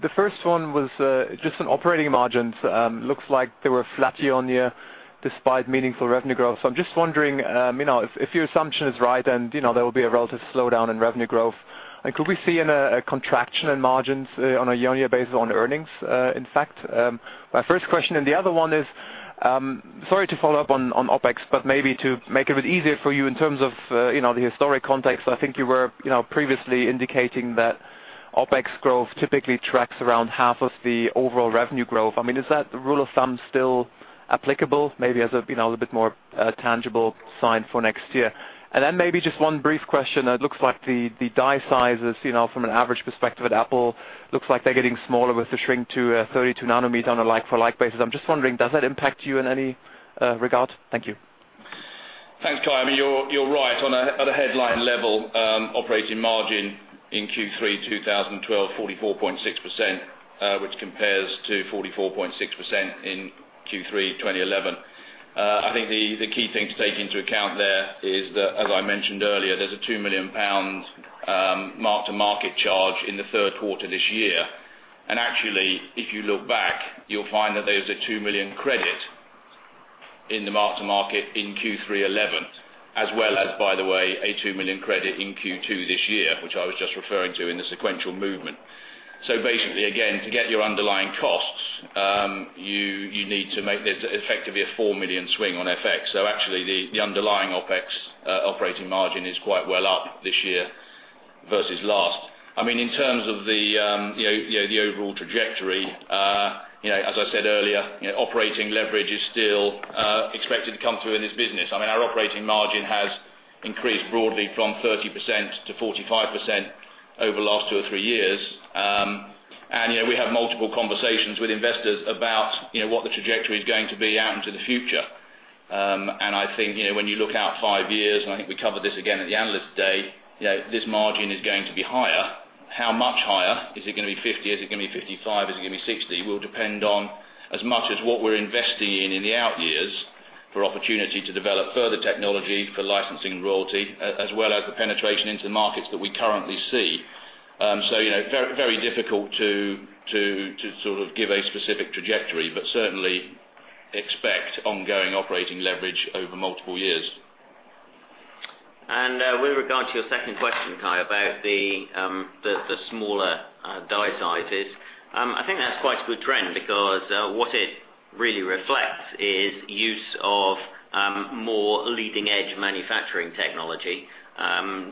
The first one was just on operating margins. Looks like they were flat year-over-year despite meaningful revenue growth. I'm just wondering if your assumption is right and there will be a relative slowdown in revenue growth. Could we see a contraction in margins on a year-over-year basis on earnings, in fact? My first question, and the other one is, sorry to follow up on OpEx, but maybe to make it a bit easier for you in terms of the historic context. I think you were previously indicating that OpEx growth typically tracks around half of the overall revenue growth. Is that rule of thumb still applicable, maybe as a little bit more tangible sign for next year? Then maybe just one brief question. It looks like the die sizes from an average perspective at Apple, looks like they're getting smaller with the shrink to 32 nanometer on a like-for-like basis. I'm just wondering, does that impact you in any regard? Thank you. Thanks, Kai. You're right. At a headline level, operating margin in Q3 2012, 44.6%, which compares to 44.6% in Q3 2011. I think the key thing to take into account there is that, as I mentioned earlier, there's a 2 million pounds mark-to-market charge in the third quarter this year. Actually, if you look back, you'll find that there's a 2 million credit in the mark-to-market in Q3 2011, as well as, by the way, a 2 million credit in Q2 this year, which I was just referring to in the sequential movement. Basically, again, to get your underlying costs, you need to make there effectively a 4 million swing on FX. Actually, the underlying OpEx operating margin is quite well up this year versus last. In terms of the overall trajectory, as I said earlier, operating leverage is still expected to come through in this business. Our operating margin has increased broadly from 30% to 45% over the last two or three years. We have multiple conversations with investors about what the trajectory is going to be out into the future. I think when you look out five years, and I think we covered this again at the Analyst Day, this margin is going to be higher. How much higher? Is it going to be 50? Is it going to be 55? Is it going to be 60? Will depend on as much as what we're investing in the out years for opportunity to develop further technology for licensing royalty, as well as the penetration into the markets that we currently see. Very difficult to give a specific trajectory, but certainly expect ongoing operating leverage over multiple years. With regard to your second question, Kai, about the smaller die sizes. I think that's quite a good trend because what it really reflects is use of more leading-edge manufacturing technology.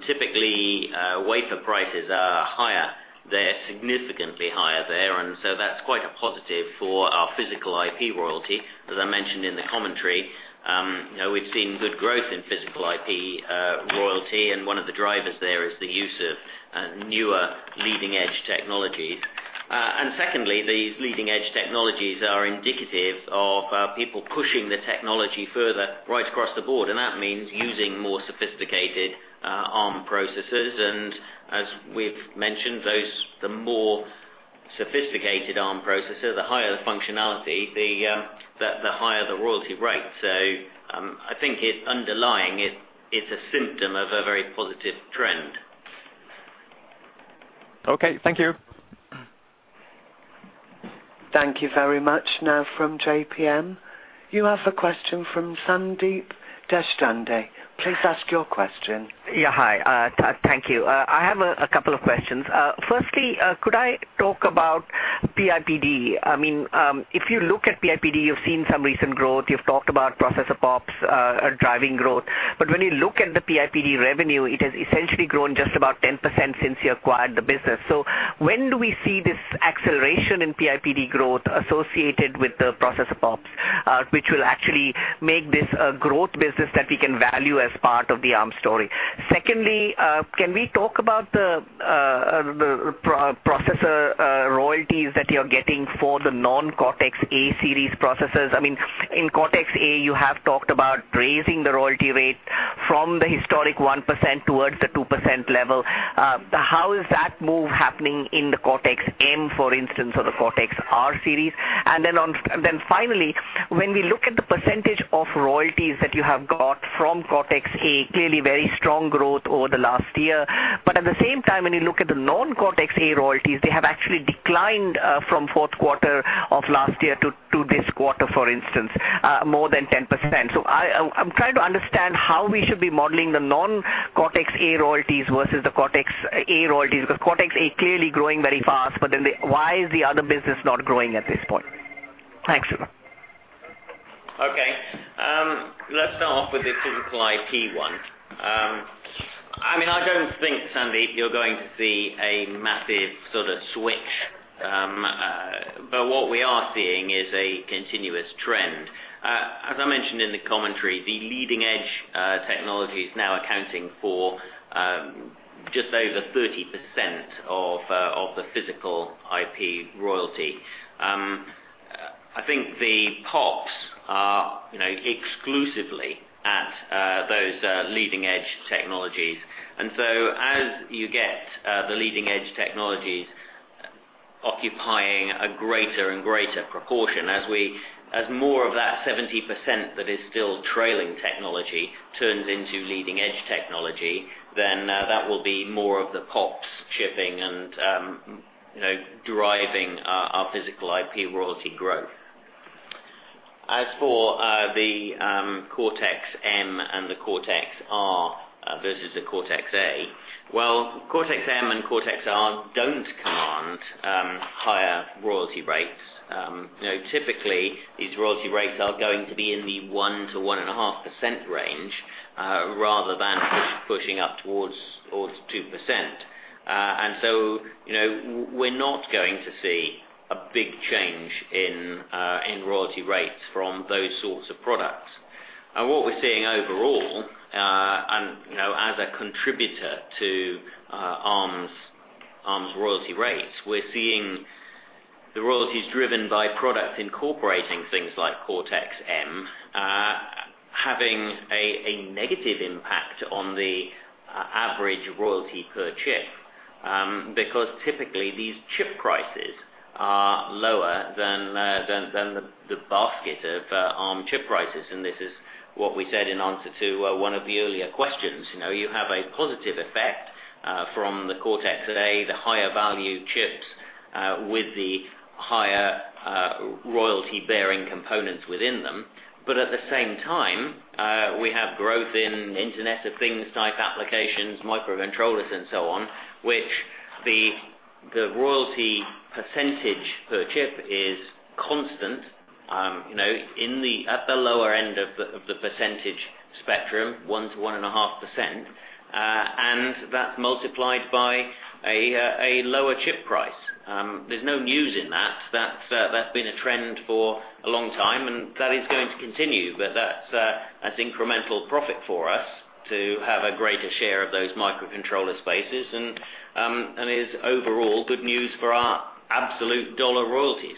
Typically, wafer prices are higher. They're significantly higher there, and that's quite a positive for our physical IP royalty. As I mentioned in the commentary, we've seen good growth in physical IP royalty, and one of the drivers there is the use of newer leading-edge technologies. Secondly, these leading-edge technologies are indicative of people pushing the technology further right across the board, and that means using more sophisticated Arm processors. As we've mentioned, the more sophisticated Arm processor, the higher the functionality, the higher the royalty rate. I think underlying, it's a symptom of a very positive trend. Okay. Thank you. Thank you very much. Now from JPM. You have a question from Sandeep Deshpande. Please ask your question. Yeah. Hi. Thank you. I have a couple of questions. Firstly, could I talk about PIPD? If you look at PIPD, you've seen some recent growth. You've talked about processor POPs driving growth. When you look at the PIPD revenue, it has essentially grown just about 10% since you acquired the business. When do we see this acceleration in PIPD growth associated with the processor POPs, which will actually make this a growth business that we can value as part of the Arm story? Secondly, can we talk about the processor royalties that you're getting for the non-Cortex-A series processors? In Cortex-A, you have talked about raising the royalty rate from the historic 1% towards the 2% level. How is that move happening in the Cortex-M, for instance, or the Cortex-R series? Finally, when we look at the percentage of royalties that you have got from Cortex-A, clearly very strong growth over the last year. At the same time, when you look at the non-Cortex-A royalties, they have actually declined from fourth quarter of last year to this quarter, for instance, more than 10%. I'm trying to understand how we should be modeling the non-Cortex-A royalties versus the Cortex-A royalties, because Cortex-A clearly growing very fast, why is the other business not growing at this point? Thanks. Okay. Let's start off with the physical IP one. I don't think, Sandeep, you're going to see a massive sort of switch. What we are seeing is a continuous trend. As I mentioned in the commentary, the leading-edge technology is now accounting for just over 30% of the physical IP royalty. I think the POPs are exclusively at those leading-edge technologies. As you get the leading-edge technologies occupying a greater and greater proportion, as more of that 70% that is still trailing technology turns into leading-edge technology, then that will be more of the POPs chipping and driving our physical IP royalty growth. As for the Cortex-M and the Cortex-R versus the Cortex-A, well, Cortex-M and Cortex-R don't command higher royalty rates. Typically, these royalty rates are going to be in the 1%-1.5% range rather than pushing up towards 2%. We're not going to see a big change in royalty rates from those sorts of products. What we're seeing overall, and as a contributor to Arm's royalty rates, we're seeing the royalties driven by products incorporating things like Cortex-M having a negative impact on the average royalty per chip, because typically these chip prices are lower than the basket of Arm chip prices. This is what we said in answer to one of the earlier questions. You have a positive effect from the Cortex-A, the higher value chips with the higher royalty-bearing components within them. At the same time, we have growth in Internet of Things type applications, microcontrollers and so on, which the royalty percentage per chip is constant at the lower end of the percentage spectrum, 1%-1.5%, and that's multiplied by a lower chip price. There's no news in that. That's been a trend for a long time, and that is going to continue, but that's incremental profit for us to have a greater share of those microcontroller spaces and is overall good news for our absolute USD royalties.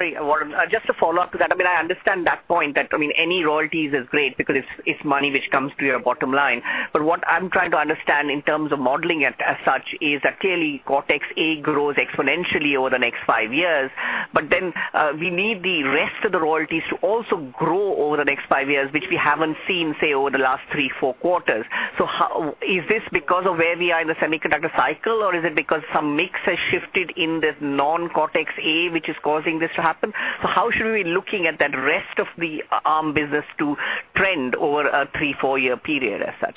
Great. Warren, just a follow-up to that. I understand that point, that any royalties is great because it's money which comes to your bottom line. What I'm trying to understand in terms of modeling it as such is that clearly Cortex-A grows exponentially over the next 5 years, we need the rest of the royalties to also grow over the next 5 years, which we haven't seen, say, over the last 3, 4 quarters. Is this because of where we are in the semiconductor cycle, or is it because some mix has shifted in this non-Cortex-A which is causing this to happen? How should we be looking at that rest of the Arm business to trend over a 3, 4-year period as such?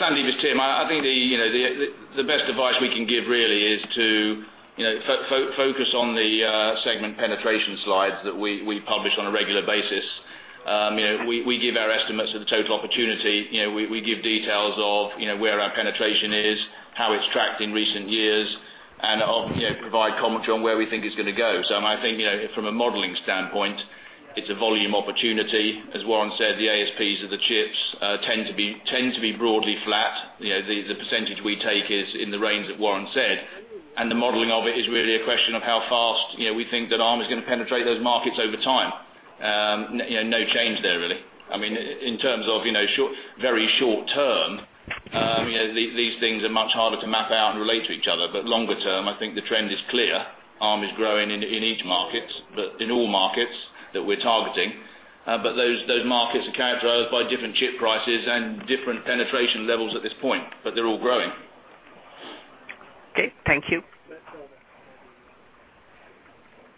Sandeep, it's Tim. I think the best advice we can give really is to focus on the segment penetration slides that we publish on a regular basis. We give our estimates of the total opportunity. We give details of where our penetration is, how it's tracked in recent years, and provide commentary on where we think it's going to go. I think from a modeling standpoint, it's a volume opportunity. As Warren said, the ASPs of the chips tend to be broadly flat. The percentage we take is in the range that Warren said, and the modeling of it is really a question of how fast we think that Arm is going to penetrate those markets over time. No change there, really. In terms of very short term, these things are much harder to map out and relate to each other. Longer term, I think the trend is clear. Arm is growing in each market, but in all markets that we're targeting. Those markets are characterized by different chip prices and different penetration levels at this point, but they're all growing. Okay. Thank you.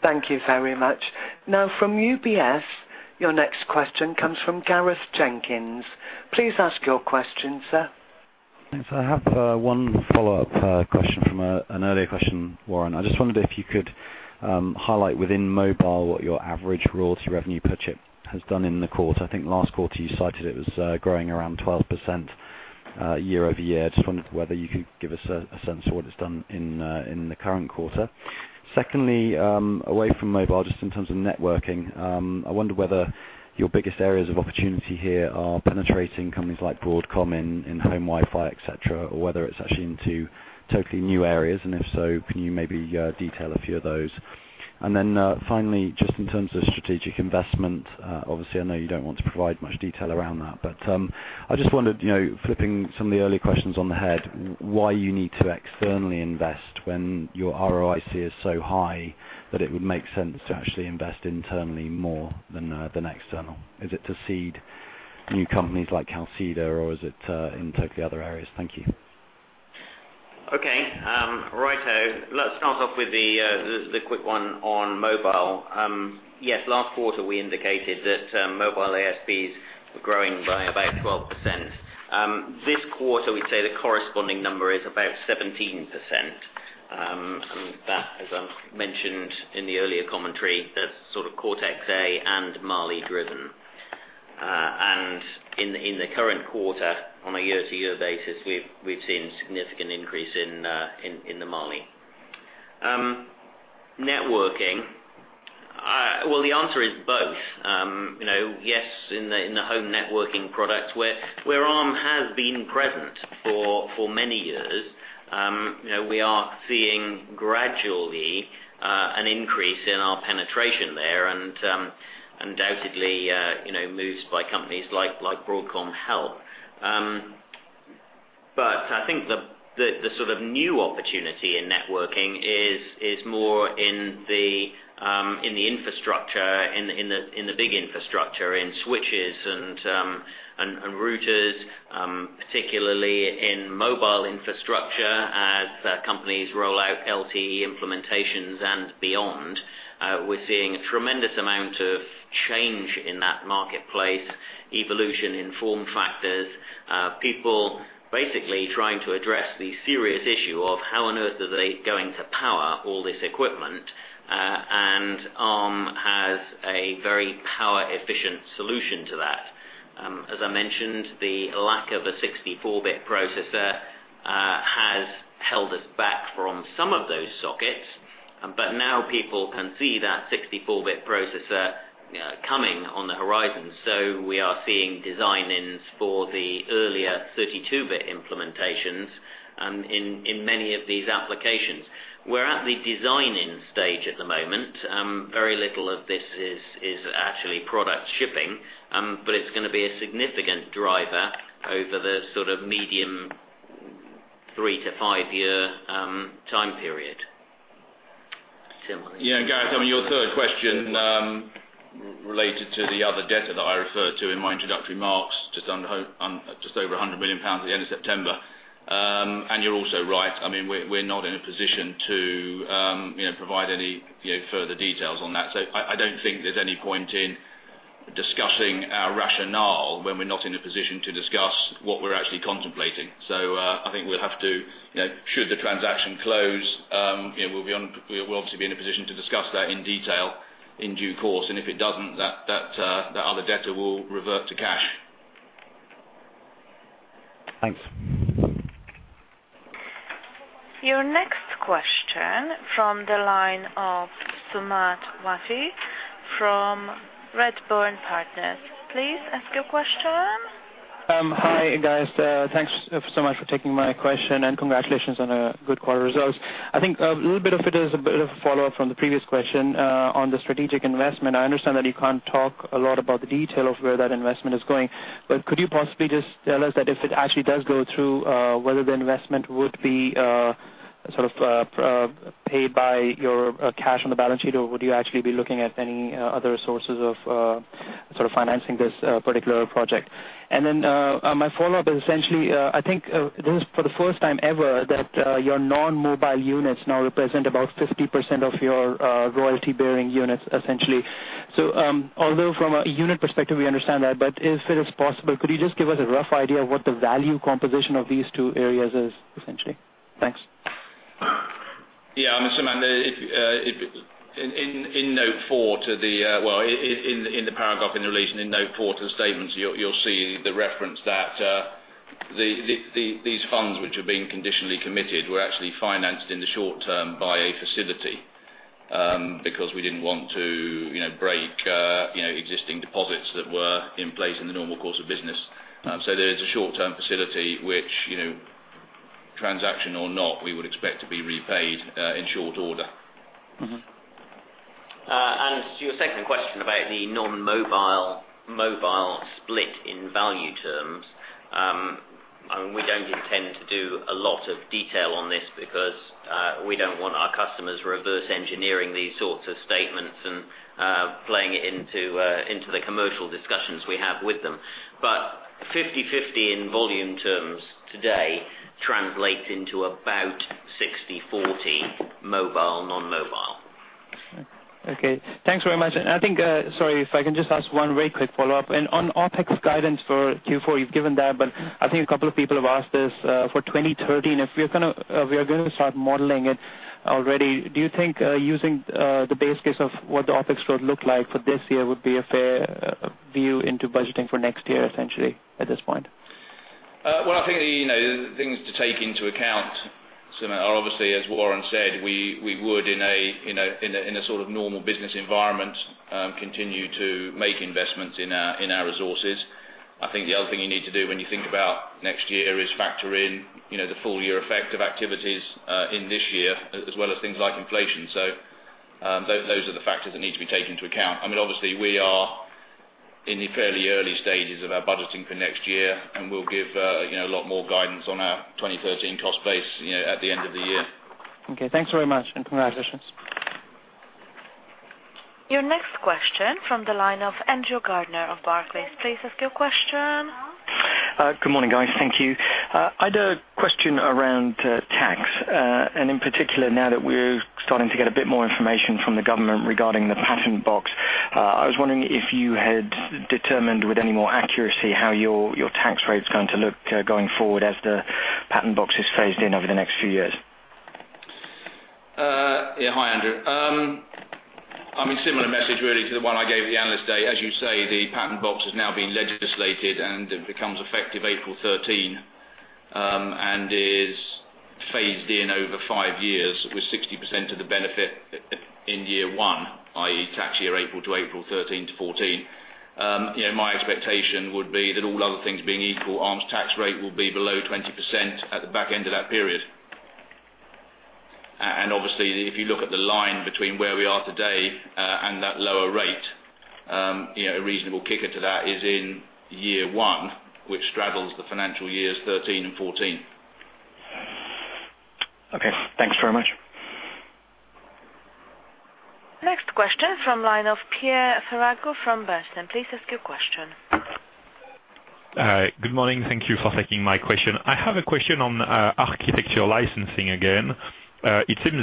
Thank you very much. From UBS, your next question comes from Gareth Jenkins. Please ask your question, sir. Thanks. I have one follow-up question from an earlier question, Warren. I just wondered if you could highlight within mobile what your average royalty revenue per chip has done in the quarter. I think last quarter you cited it was growing around 12% year-over-year. I just wondered whether you could give us a sense of what it's done in the current quarter. Away from mobile, just in terms of networking, I wonder whether your biggest areas of opportunity here are penetrating companies like Broadcom in home Wi-Fi, et cetera, or whether it's actually into totally new areas. If so, can you maybe detail a few of those? Finally, just in terms of strategic investment, obviously I know you don't want to provide much detail around that, but I just wondered, flipping some of the earlier questions on the head, why you need to externally invest when your ROIC is so high that it would make sense to actually invest internally more than external. Is it to seed new companies like Calxeda, or is it in totally other areas? Thank you. Okay. Righto. Let's start off with the quick one on mobile. Yes, last quarter we indicated that mobile ASPs were growing by about 12%. This quarter, we'd say the corresponding number is about 17%. That, as I mentioned in the earlier commentary, that's sort of Cortex-A and Mali driven. In the current quarter, on a year-over-year basis, we've seen significant increase in the Mali. Networking. Well, the answer is both. Yes, in the home networking products where Arm has been present for many years. We are seeing gradually an increase in our penetration there, and undoubtedly moves by companies like Broadcom help. I think the new opportunity in networking is more in the infrastructure, in the big infrastructure, in switches and routers, particularly in mobile infrastructure as companies roll out LTE implementations and beyond. We're seeing a tremendous amount of change in that marketplace, evolution in form factors. People basically trying to address the serious issue of how on earth are they going to power all this equipment, Arm has a very power efficient solution to that. As I mentioned, the lack of a 64-bit processor has held us back from some of those sockets. Now people can see that 64-bit processor coming on the horizon. We are seeing design-ins for the earlier 32-bit implementations in many of these applications. We're at the design-in stage at the moment. Very little of this is actually product shipping. It's going to be a significant driver over the sort of medium three to five year time period. Yeah, Gareth, on your third question related to the other debtor that I referred to in my introductory remarks, just over 100 million pounds at the end of September. You're also right, we're not in a position to provide any further details on that. I don't think there's any point in discussing our rationale when we're not in a position to discuss what we're actually contemplating. I think should the transaction close, we'll obviously be in a position to discuss that in detail in due course, and if it doesn't, that other debtor will revert to cash. Thanks. Your next question from the line of Sumant Wati from Redburn Partners. Please ask your question. Hi, guys. Thanks so much for taking my question. Congratulations on good quarter results. I think a little bit of it is a bit of a follow-up from the previous question on the strategic investment. I understand that you can't talk a lot about the detail of where that investment is going. Could you possibly just tell us that if it actually does go through, whether the investment would be paid by your cash on the balance sheet, or would you actually be looking at any other sources of financing this particular project? My follow-up is essentially, I think this is for the first time ever that your non-mobile units now represent about 50% of your royalty bearing units, essentially. Although from a unit perspective we understand that, if it is possible, could you just give us a rough idea of what the value composition of these two areas is, essentially? Thanks. Yeah. Sumant, in the paragraph in relation in note four to the statements, you'll see the reference that these funds which are being conditionally committed, were actually financed in the short term by a facility because we didn't want to break existing deposits that were in place in the normal course of business. There is a short-term facility which transaction or not, we would expect to be repaid in short order. To your second question about the non-mobile, mobile split in value terms. We don't intend to do a lot of detail on this because we don't want our customers reverse engineering these sorts of statements and playing it into the commercial discussions we have with them. 50/50 in volume terms today translates into about 60/40 mobile, non-mobile. Okay. Thanks very much. I think, sorry if I can just ask one very quick follow-up. On OpEx guidance for Q4, you've given that, but I think a couple of people have asked this. For 2013, if we are going to start modeling it already, do you think using the base case of what the OpEx would look like for this year would be a fair view into budgeting for next year, essentially, at this point? Well, I think the things to take into account, Sumant, are obviously, as Warren said, we would in a sort of normal business environment, continue to make investments in our resources. I think the other thing you need to do when you think about next year is factor in the full year effect of activities in this year, as well as things like inflation. Those are the factors that need to be taken into account. Obviously, we are in the fairly early stages of our budgeting for next year, and we'll give a lot more guidance on our 2012 cost base at the end of the year. Okay. Thanks very much, and congratulations. Your next question from the line of Andrew Gardiner of Barclays. Please ask your question. Good morning, guys. Thank you. I had a question around tax. In particular, now that we're starting to get a bit more information from the government regarding the Patent Box, I was wondering if you had determined with any more accuracy how your tax rate's going to look going forward as the Patent Box is phased in over the next few years. Yeah. Hi, Andrew. Similar message, really, to the one I gave at the analyst day. As you say, the Patent Box has now been legislated, and it becomes effective April 2013, and is phased in over five years with 60% of the benefit in year one, i.e., tax year April to April 2013 to 2014. My expectation would be that all other things being equal, Arm's tax rate will be below 20% at the back end of that period. Obviously, if you look at the line between where we are today and that lower rate, a reasonable kicker to that is in year one, which straddles the financial years 2013 and 2014. Okay. Thanks very much. Next question from line of Pierre Ferragu from Bernstein. Please ask your question. Good morning. Thank you for taking my question. I have a question on architectural licensing again. It seems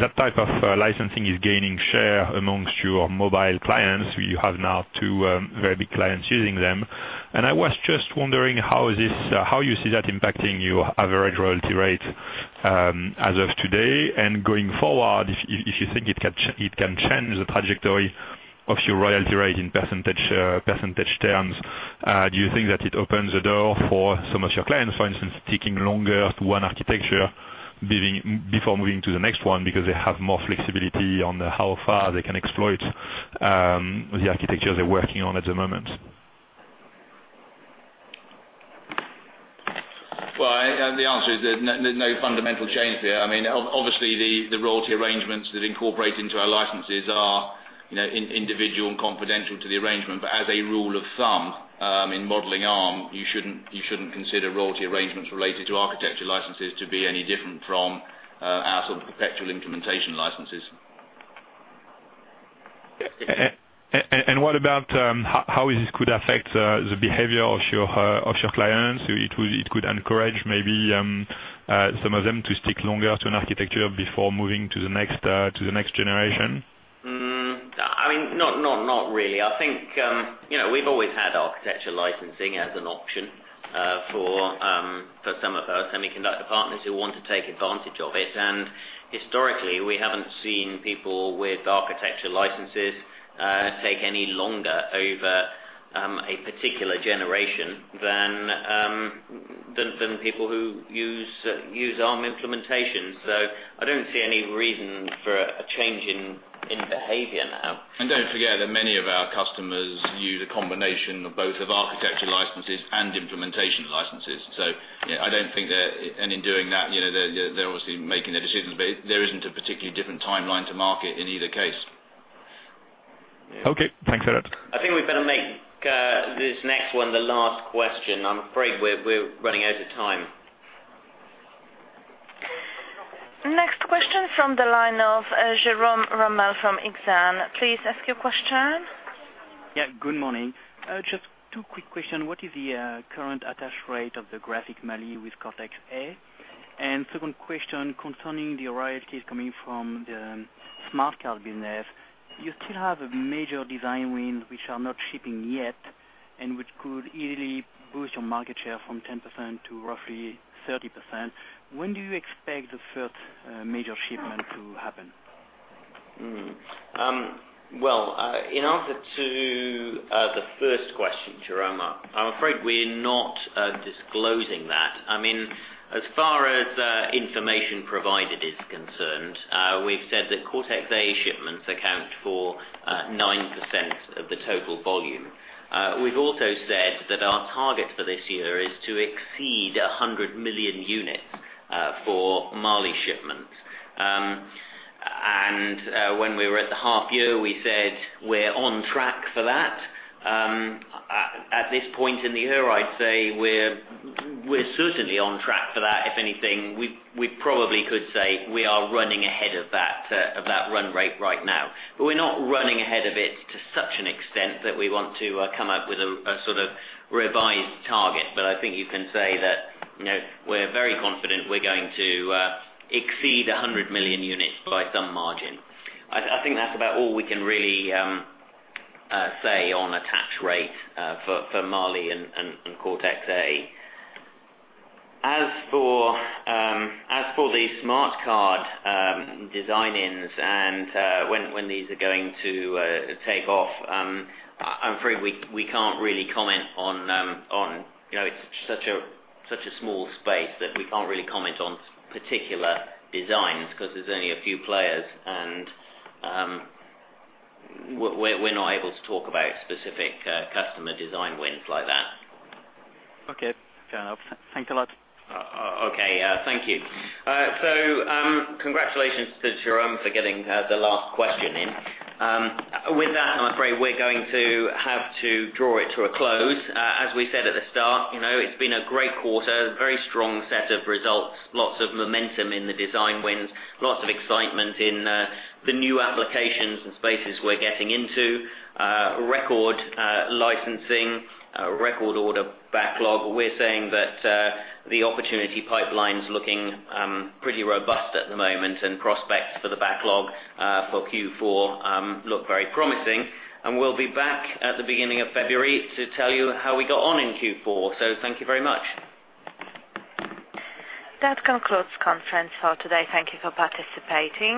that type of licensing is gaining share amongst your mobile clients. You have now two very big clients using them. I was just wondering how you see that impacting your average royalty rate as of today and going forward if you think it can change the trajectory of your royalty rate in percentage terms. Do you think that it opens the door for some of your clients, for instance, taking longer to one architecture before moving to the next one because they have more flexibility on how far they can exploit the architecture they're working on at the moment? Well, the answer is there's no fundamental change there. Obviously, the royalty arrangements that incorporate into our licenses are individual and confidential to the arrangement. As a rule of thumb, in modeling Arm, you shouldn't consider royalty arrangements related to architecture licenses to be any different from our perpetual implementation licenses. What about how this could affect the behavior of your clients? It could encourage maybe some of them to stick longer to an architecture before moving to the next generation? Not really. I think we've always had architecture licensing as an option for some of our semiconductor partners who want to take advantage of it. Historically, we haven't seen people with architecture licenses take any longer over a particular generation than people who use Arm implementation. I don't see any reason for a change in behavior now. Don't forget that many of our customers use a combination of both of architecture licenses and implementation licenses. In doing that, they're obviously making their decisions, but there isn't a particularly different timeline to market in either case. Okay, thanks a lot. I think we better make this next one the last question. I'm afraid we're running out of time. Next question from the line of Jerome Ramel from Exane. Please ask your question. Yeah, good morning. Just two quick question. What is the current attach rate of the graphic Mali with Cortex-A? Second question concerning the royalties coming from the smart card business. You still have a major design win which are not shipping yet and which could easily boost your market share from 10% to roughly 30%. When do you expect the first major shipment to happen? Well, in answer to the first question, Jerome, I'm afraid we're not disclosing that. As far as information provided is concerned, we've said that Cortex-A shipments account for 9% of the total volume. We've also said that our target for this year is to exceed 100 million units for Mali shipments. When we were at the half year, we said we're on track for that. At this point in the year, I'd say we're certainly on track for that. If anything, we probably could say we are running ahead of that run rate right now. We're not running ahead of it to such an extent that we want to come up with a sort of revised target. I think you can say that we're very confident we're going to exceed 100 million units by some margin. I think that's about all we can really say on attach rate for Mali and Cortex-A. As for the smart card design-ins and when these are going to take off, I'm afraid we can't really comment. It's such a small space that we can't really comment on particular designs because there's only a few players, and we're not able to talk about specific customer design wins like that. Okay, fair enough. Thanks a lot. Okay, thank you. Congratulations to Jerome for getting the last question in. With that, I'm afraid we're going to have to draw it to a close. As we said at the start, it's been a great quarter. Very strong set of results, lots of momentum in the design wins, lots of excitement in the new applications and spaces we're getting into. Record licensing, record order backlog. We're saying that the opportunity pipeline's looking pretty robust at the moment, and prospects for the backlog for Q4 look very promising. We'll be back at the beginning of February to tell you how we got on in Q4. Thank you very much. That concludes conference for today. Thank you for participating.